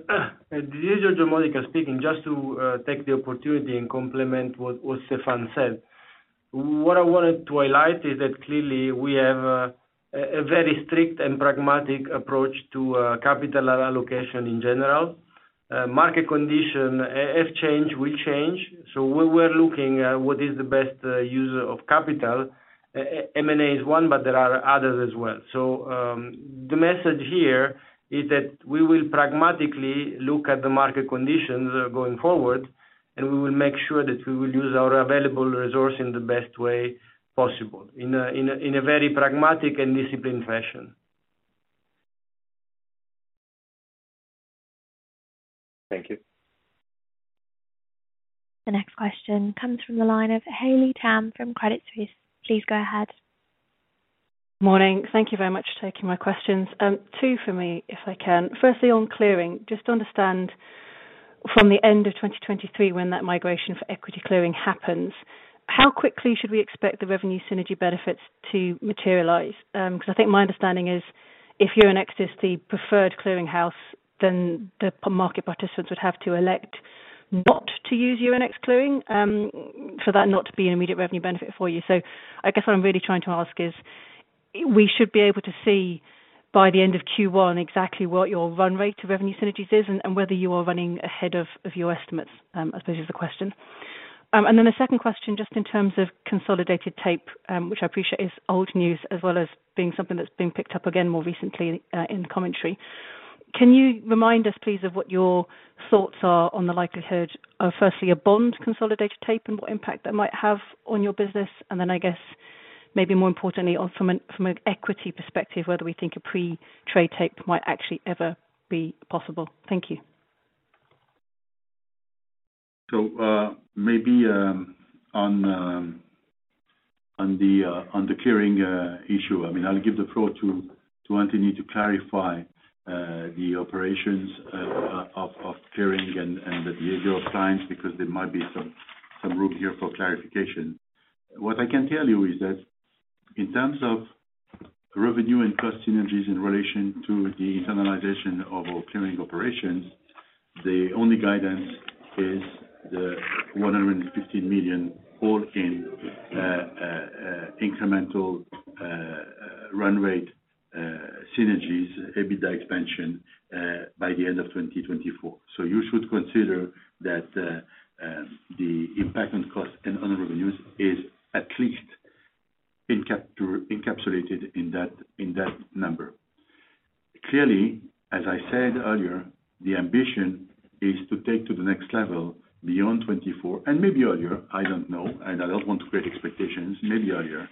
This is Giorgio Modica speaking, just to take the opportunity and complement what Stéphane said. What I wanted to highlight is that clearly we have a very strict and pragmatic approach to capital allocation in general. Market condition has changed, will change. We were looking at what is the best user of capital. M&A is one, but there are others as well. The message here is that we will pragmatically look at the market conditions going forward, and we will make sure that we will use our available resource in the best way possible in a very pragmatic and disciplined fashion. Thank you. The next question comes from the line of Haley Tam from Credit Suisse. Please go ahead. Morning. Thank you very much for taking my questions. Two for me, if I can. Firstly, on clearing, just to understand from the end of 2023, when that migration for equity clearing happens, how quickly should we expect the revenue synergy benefits to materialize? I think my understanding is if Euronext is the preferred clearing house, then the market participants would have to elect not to use Euronext Clearing, for that not to be an immediate revenue benefit for you. I guess what I'm really trying to ask is, we should be able to see by the end of Q1 exactly what your run rate to revenue synergies is and whether you are running ahead of your estimates, I suppose is the question. The second question, just in terms of consolidated tape, which I appreciate is old news as well as being something that's been picked up again more recently, in commentary. Can you remind us, please, of what your thoughts are on the likelihood of, firstly, a bond consolidated tape and what impact that might have on your business? Then, I guess maybe more importantly from an equity perspective, whether we think a pre-trade tape might actually ever be possible. Thank you. Maybe, on the clearing issue, I mean, I'll give the floor to Anthony to clarify the operations of clearing and the behavior of clients, because there might be some room here for clarification. What I can tell you is that in terms of revenue and cost synergies in relation to the internalization of our clearing operations, the only guidance is the 150 million all in incremental run rate synergies, EBITDA expansion, by the end of 2024. You should consider that the impact on costs and on revenues is at least encapsulated in that number. Clearly, as I said earlier, the ambition is to take to the next level beyond 2024 and maybe earlier, I don't know, and I don't want to create expectations, maybe earlier,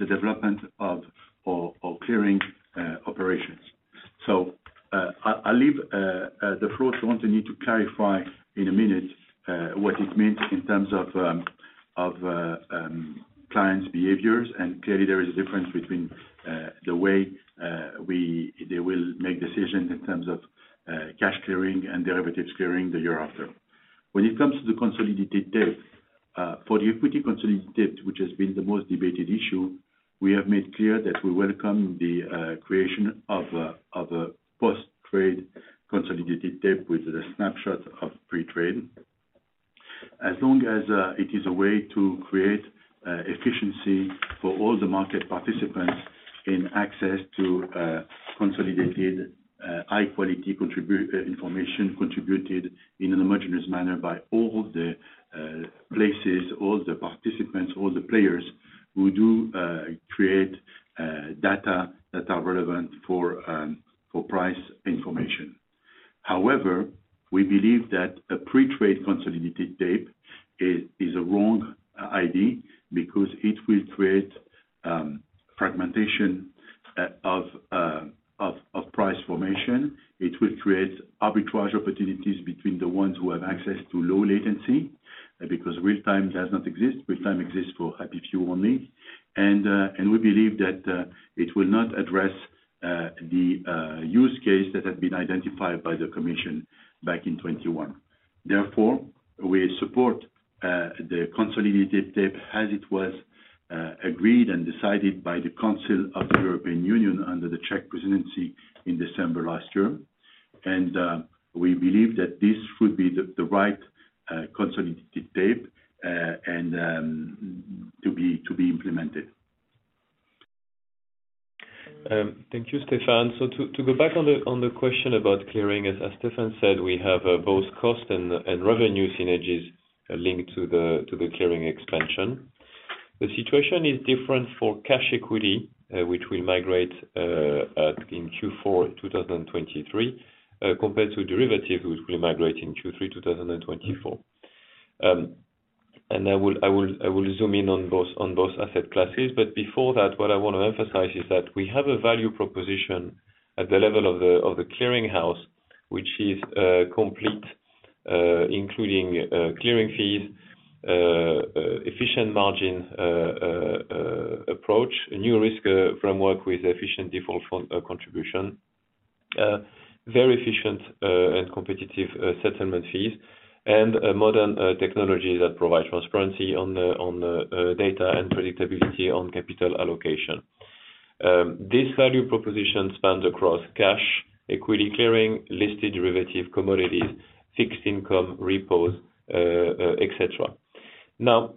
the development of our clearing operations. I'll leave the floor to Anthony to clarify in 1 minute what it means in terms of clients' behaviors. Clearly, there is a difference between the way they will make decisions in terms of cash clearing and derivatives clearing the year after. When it comes to the consolidated tape, for the equity consolidated tape, which has been the most debated issue, we have made clear that we welcome the creation of a post-trade consolidated tape with a snapshot of pre-trade. As long as it is a way to create efficiency for all the market participants in access to consolidated, high quality information contributed in a homogenous manner by all the places, all the participants, all the players who do create data that are relevant for price information. However, we believe that a pre-trade consolidated tape is a wrong idea because it will create fragmentation of price formation. It will create arbitrage opportunities between the ones who have access to low latency, because real-time does not exist. Real-time exists for happy few only. We believe that it will not address the use case that had been identified by the commission back in 2021. Therefore, we support the consolidated tape as it was agreed and decided by the Council of the European Union under the Czech presidency in December last year. We believe that this should be the right consolidated tape and to be implemented. Thank you, Stéphane. To go back on the question about clearing, as Stéphane said, we have both cost and revenue synergies linked to the clearing expansion. The situation is different for cash equity, which will migrate in Q4 2023, compared to derivative, which will migrate in Q3 2024. I will zoom in on both asset classes. Before that, what I want to emphasize is that we have a value proposition at the level of the clearinghouse, which is complete, including clearing fees, efficient margin approach. A new risk framework with efficient default fund contribution. Very efficient and competitive settlement fees and a modern technology that provides transparency on the data and predictability on capital allocation. This value proposition spans across cash, equity clearing, listed derivative commodities, fixed income repos, et cetera.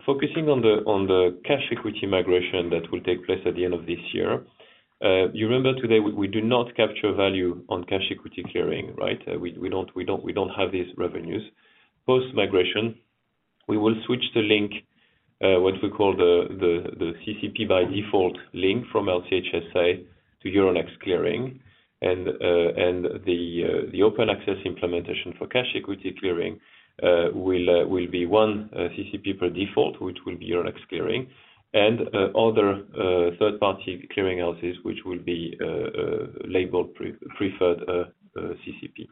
Focusing on the cash equity migration that will take place at the end of this year. You remember today we do not capture value on cash equity clearing, right? We don't have these revenues. Post migration, we will switch the link, what we call the CCP by default link from LCH SA to Euronext Clearing. The open access implementation for cash equity clearing will be one CCP per default, which will be Euronext Clearing and other third party clearing houses which will be labeled pre-preferred CCP.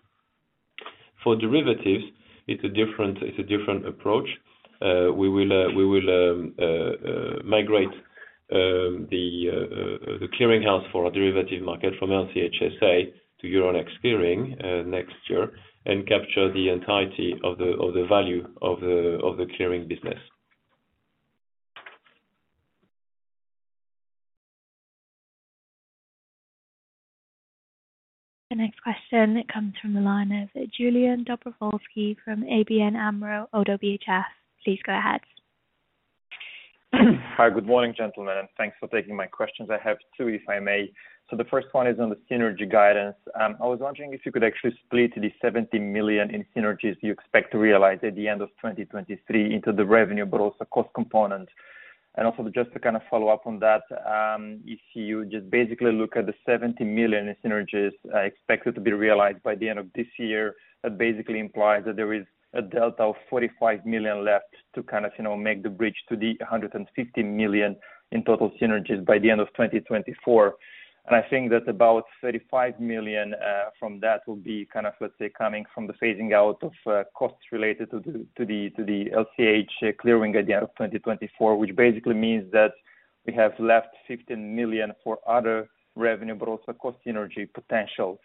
For derivatives, it's a different approach. We will migrate the clearinghouse for our derivative market from LCH SA to Euronext Clearing next year, and capture the entirety of the value of the clearing business. The next question comes from the line of Julian Dobrovolschi from ABN AMRO - ODDO BHF. Please go ahead. Hi. Good morning, gentlemen, and thanks for taking my questions. I have two, if I may. The first one is on the synergy guidance. I was wondering if you could actually split the 70 million in synergies you expect to realize at the end of 2023 into the revenue, but also cost component. Just to kind of follow-up on that, if you just basically look at the 70 million in synergies, expected to be realized by the end of this year, that basically implies that there is a delta of 45 million left to kind of, you know, make the bridge to the 150 million in total synergies by the end of 2024. I think that about 35 million from that will be kind of, let's say, coming from the phasing out of costs related to the, to the, to the LCH clearing at the end of 2024, which basically means that we have left 15 million for other revenue, but also cost synergy potential,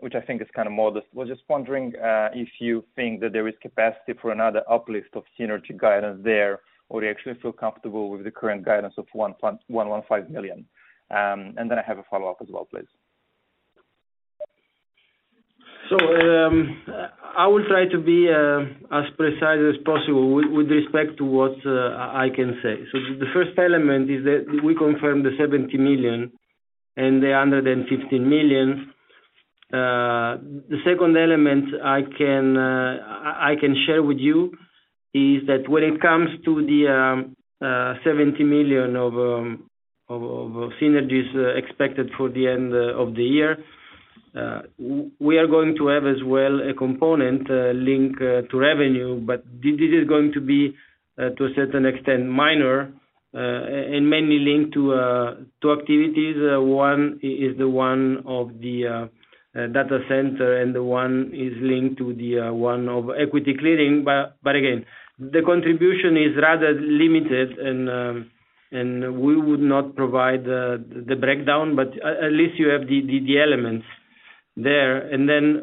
which I think is kind of modest. Was just wondering if you think that there is capacity for another uplift of synergy guidance there, or you actually feel comfortable with the current guidance of 115 million? Then I have a follow-up as well, please. I will try to be as precise as possible with respect to what I can say. The first element is that we confirm the 70 million and the under than 15 million. The second element I can share with you is that when it comes to the 70 million of synergies expected for the end of the year, we are going to have as well a component link to revenue. This is going to be to a certain extent, minor, and mainly linked to activities. One is the one of the data center, and one is linked to the one of equity clearing. Again, the contribution is rather limited and we would not provide the breakdown, but at least you have the elements there.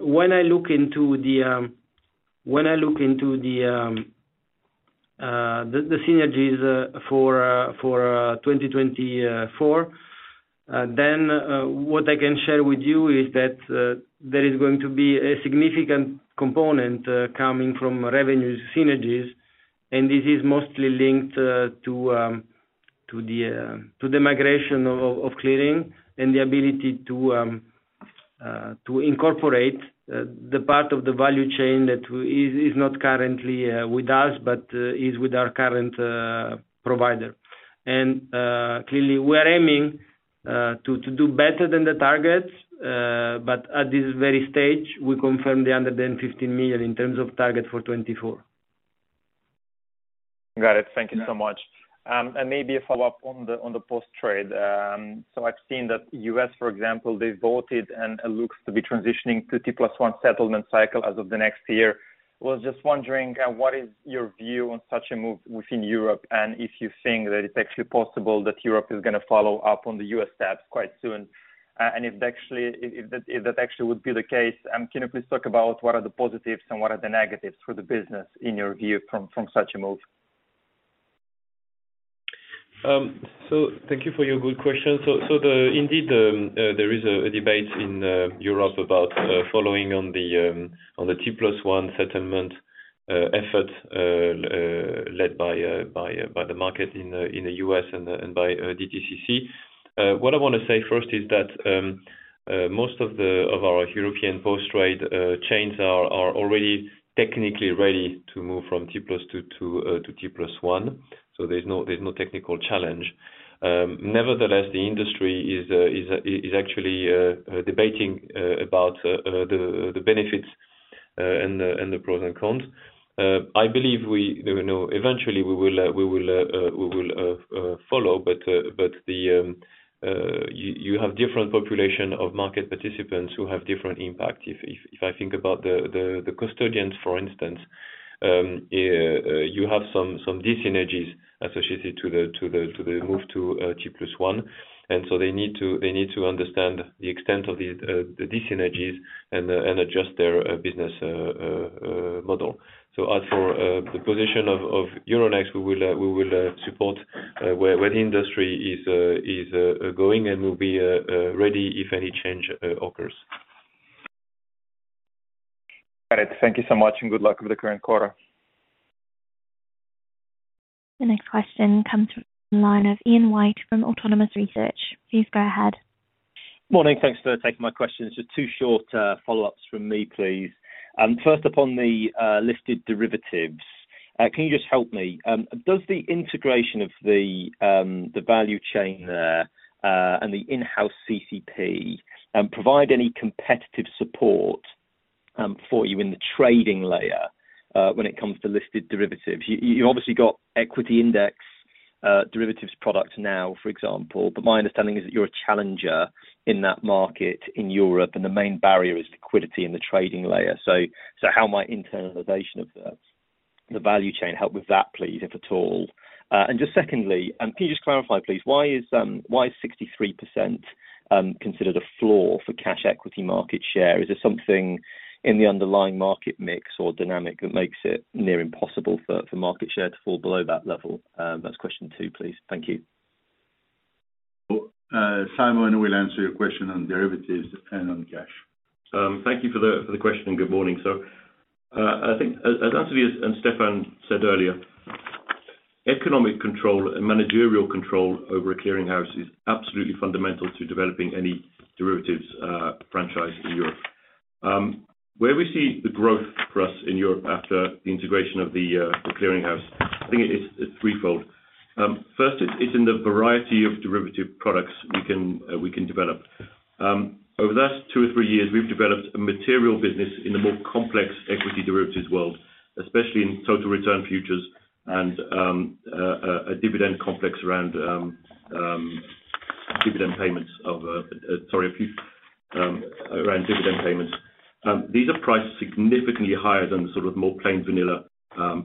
When I look into the, when I look into the synergies for 2024. What I can share with you is that there is going to be a significant component coming from revenue synergies, and this is mostly linked to the migration of clearing and the ability to incorporate the part of the value chain that is not currently with us, but is with our current provider. Clearly, we're aiming to do better than the targets. At this very stage, we confirm the 115 million in terms of target for 2024. Got it. Thank you so much. Maybe a follow-up on the post-trade. I've seen that U.S., for example, they voted and it looks to be transitioning to T+1 settlement cycle as of the next year. Was just wondering what is your view on such a move within Europe, and if you think that it's actually possible that Europe is gonna follow-up on the U.S. steps quite soon. If that actually would be the case, can you please talk about what are the positives and what are the negatives for the business in your view from such a move? Thank you for your good question. Indeed, there is a debate in Europe about following on the T+1 settlement effort led by the market in the U.S. and by DTCC. What I wanna say first is that most of our European post-trade chains are already technically ready to move from T+2 to T+1. There's no technical challenge. Nevertheless, the industry is actually debating about the benefits and the pros and cons. I believe we, you know, eventually we will follow, but the you have different population of market participants who have different impact. If I think about the custodians, for instance, you have some dysenergies associated to the move to T+1. They need to understand the extent of the dysenergies and adjust their business model. As for the position of Euronext, we will support where the industry is going and will be ready if any change occurs. Got it. Thank you so much, and good luck with the current quarter. The next question comes from the line of Ian White from Autonomous Research. Please go ahead. Morning. Thanks for taking my questions. Just two short follow-ups from me, please. First up on the listed derivatives, can you just help me, does the integration of the value chain there, and the in-house CCP, provide any competitive support for you in the trading layer, when it comes to listed derivatives? You obviously got equity index derivatives products now, for example, but my understanding is that you're a challenger in that market in Europe, and the main barrier is liquidity in the trading layer. How might internalization of the value chain help with that, please, if at all? Just secondly, can you just clarify please, why is 63% considered a flaw for cash equity market share? Is there something in the underlying market mix or dynamic that makes it near impossible for market share to fall below that level? That's question two, please. Thank you. Simon will answer your question on derivatives and on cash. Thank you for the question. Good morning. I think as Anthony and Stéphane said earlier, economic control and managerial control over a clearing house is absolutely fundamental to developing any derivatives franchise in Europe. Where we see the growth for us in Europe after the integration of the clearing house, I think it is threefold. First, it's in the variety of derivative products we can develop. Over the last two or three years, we've developed a material business in the more complex equity derivatives world, especially in Total Return Futures and a dividend complex around dividend payments. These are priced significantly higher than the sort of more plain vanilla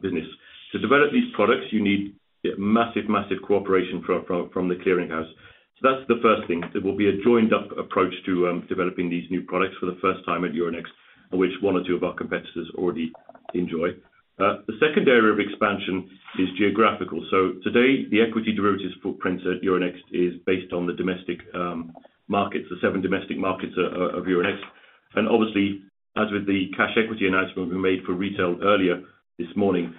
business. To develop these products, you need massive cooperation from the clearing house. That's the first thing. There will be a joined up approach to developing these new products for the first time at Euronext, which one or two of our competitors already enjoy. The second area of expansion is geographical. Today, the equity derivatives footprint at Euronext is based on the domestic markets, the seven domestic markets of Euronext. Obviously, as with the cash equity announcement we made for retail earlier this morning,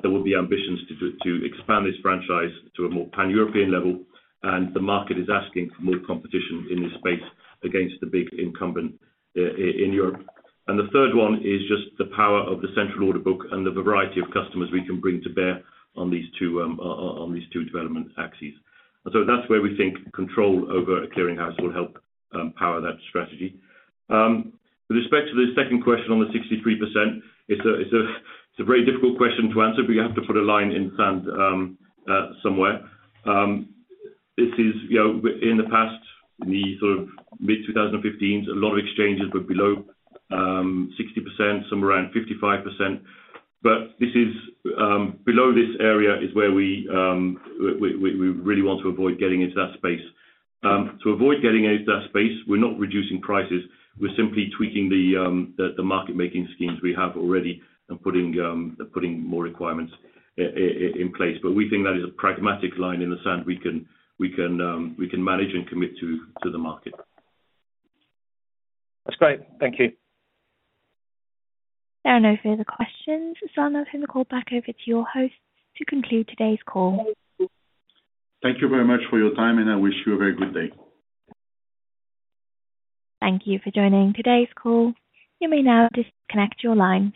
there will be ambitions to expand this franchise to a more pan-European level, and the market is asking for more competition in this space against the big incumbent in Europe. The third one is just the power of the central order book and the variety of customers we can bring to bear on these two development axes. That's where we think control over a clearing house will help power that strategy. With respect to the second question on the 63%, it's a very difficult question to answer, but you have to put a line in the sand somewhere. This is, you know, in the past, in the sort of mid-2015, a lot of exchanges were below 60%, some around 55%. This is below this area is where we really want to avoid getting into that space. To avoid getting into that space, we're not reducing prices, we're simply tweaking the market making schemes we have already and putting more requirements in place. We think that is a pragmatic line in the sand we can manage and commit to the market. That's great. Thank you. There are no further questions, I'm now going to call back over to your host to conclude today's call. Thank you very much for your time, and I wish you a very good day. Thank you for joining today's call. You may now disconnect your line.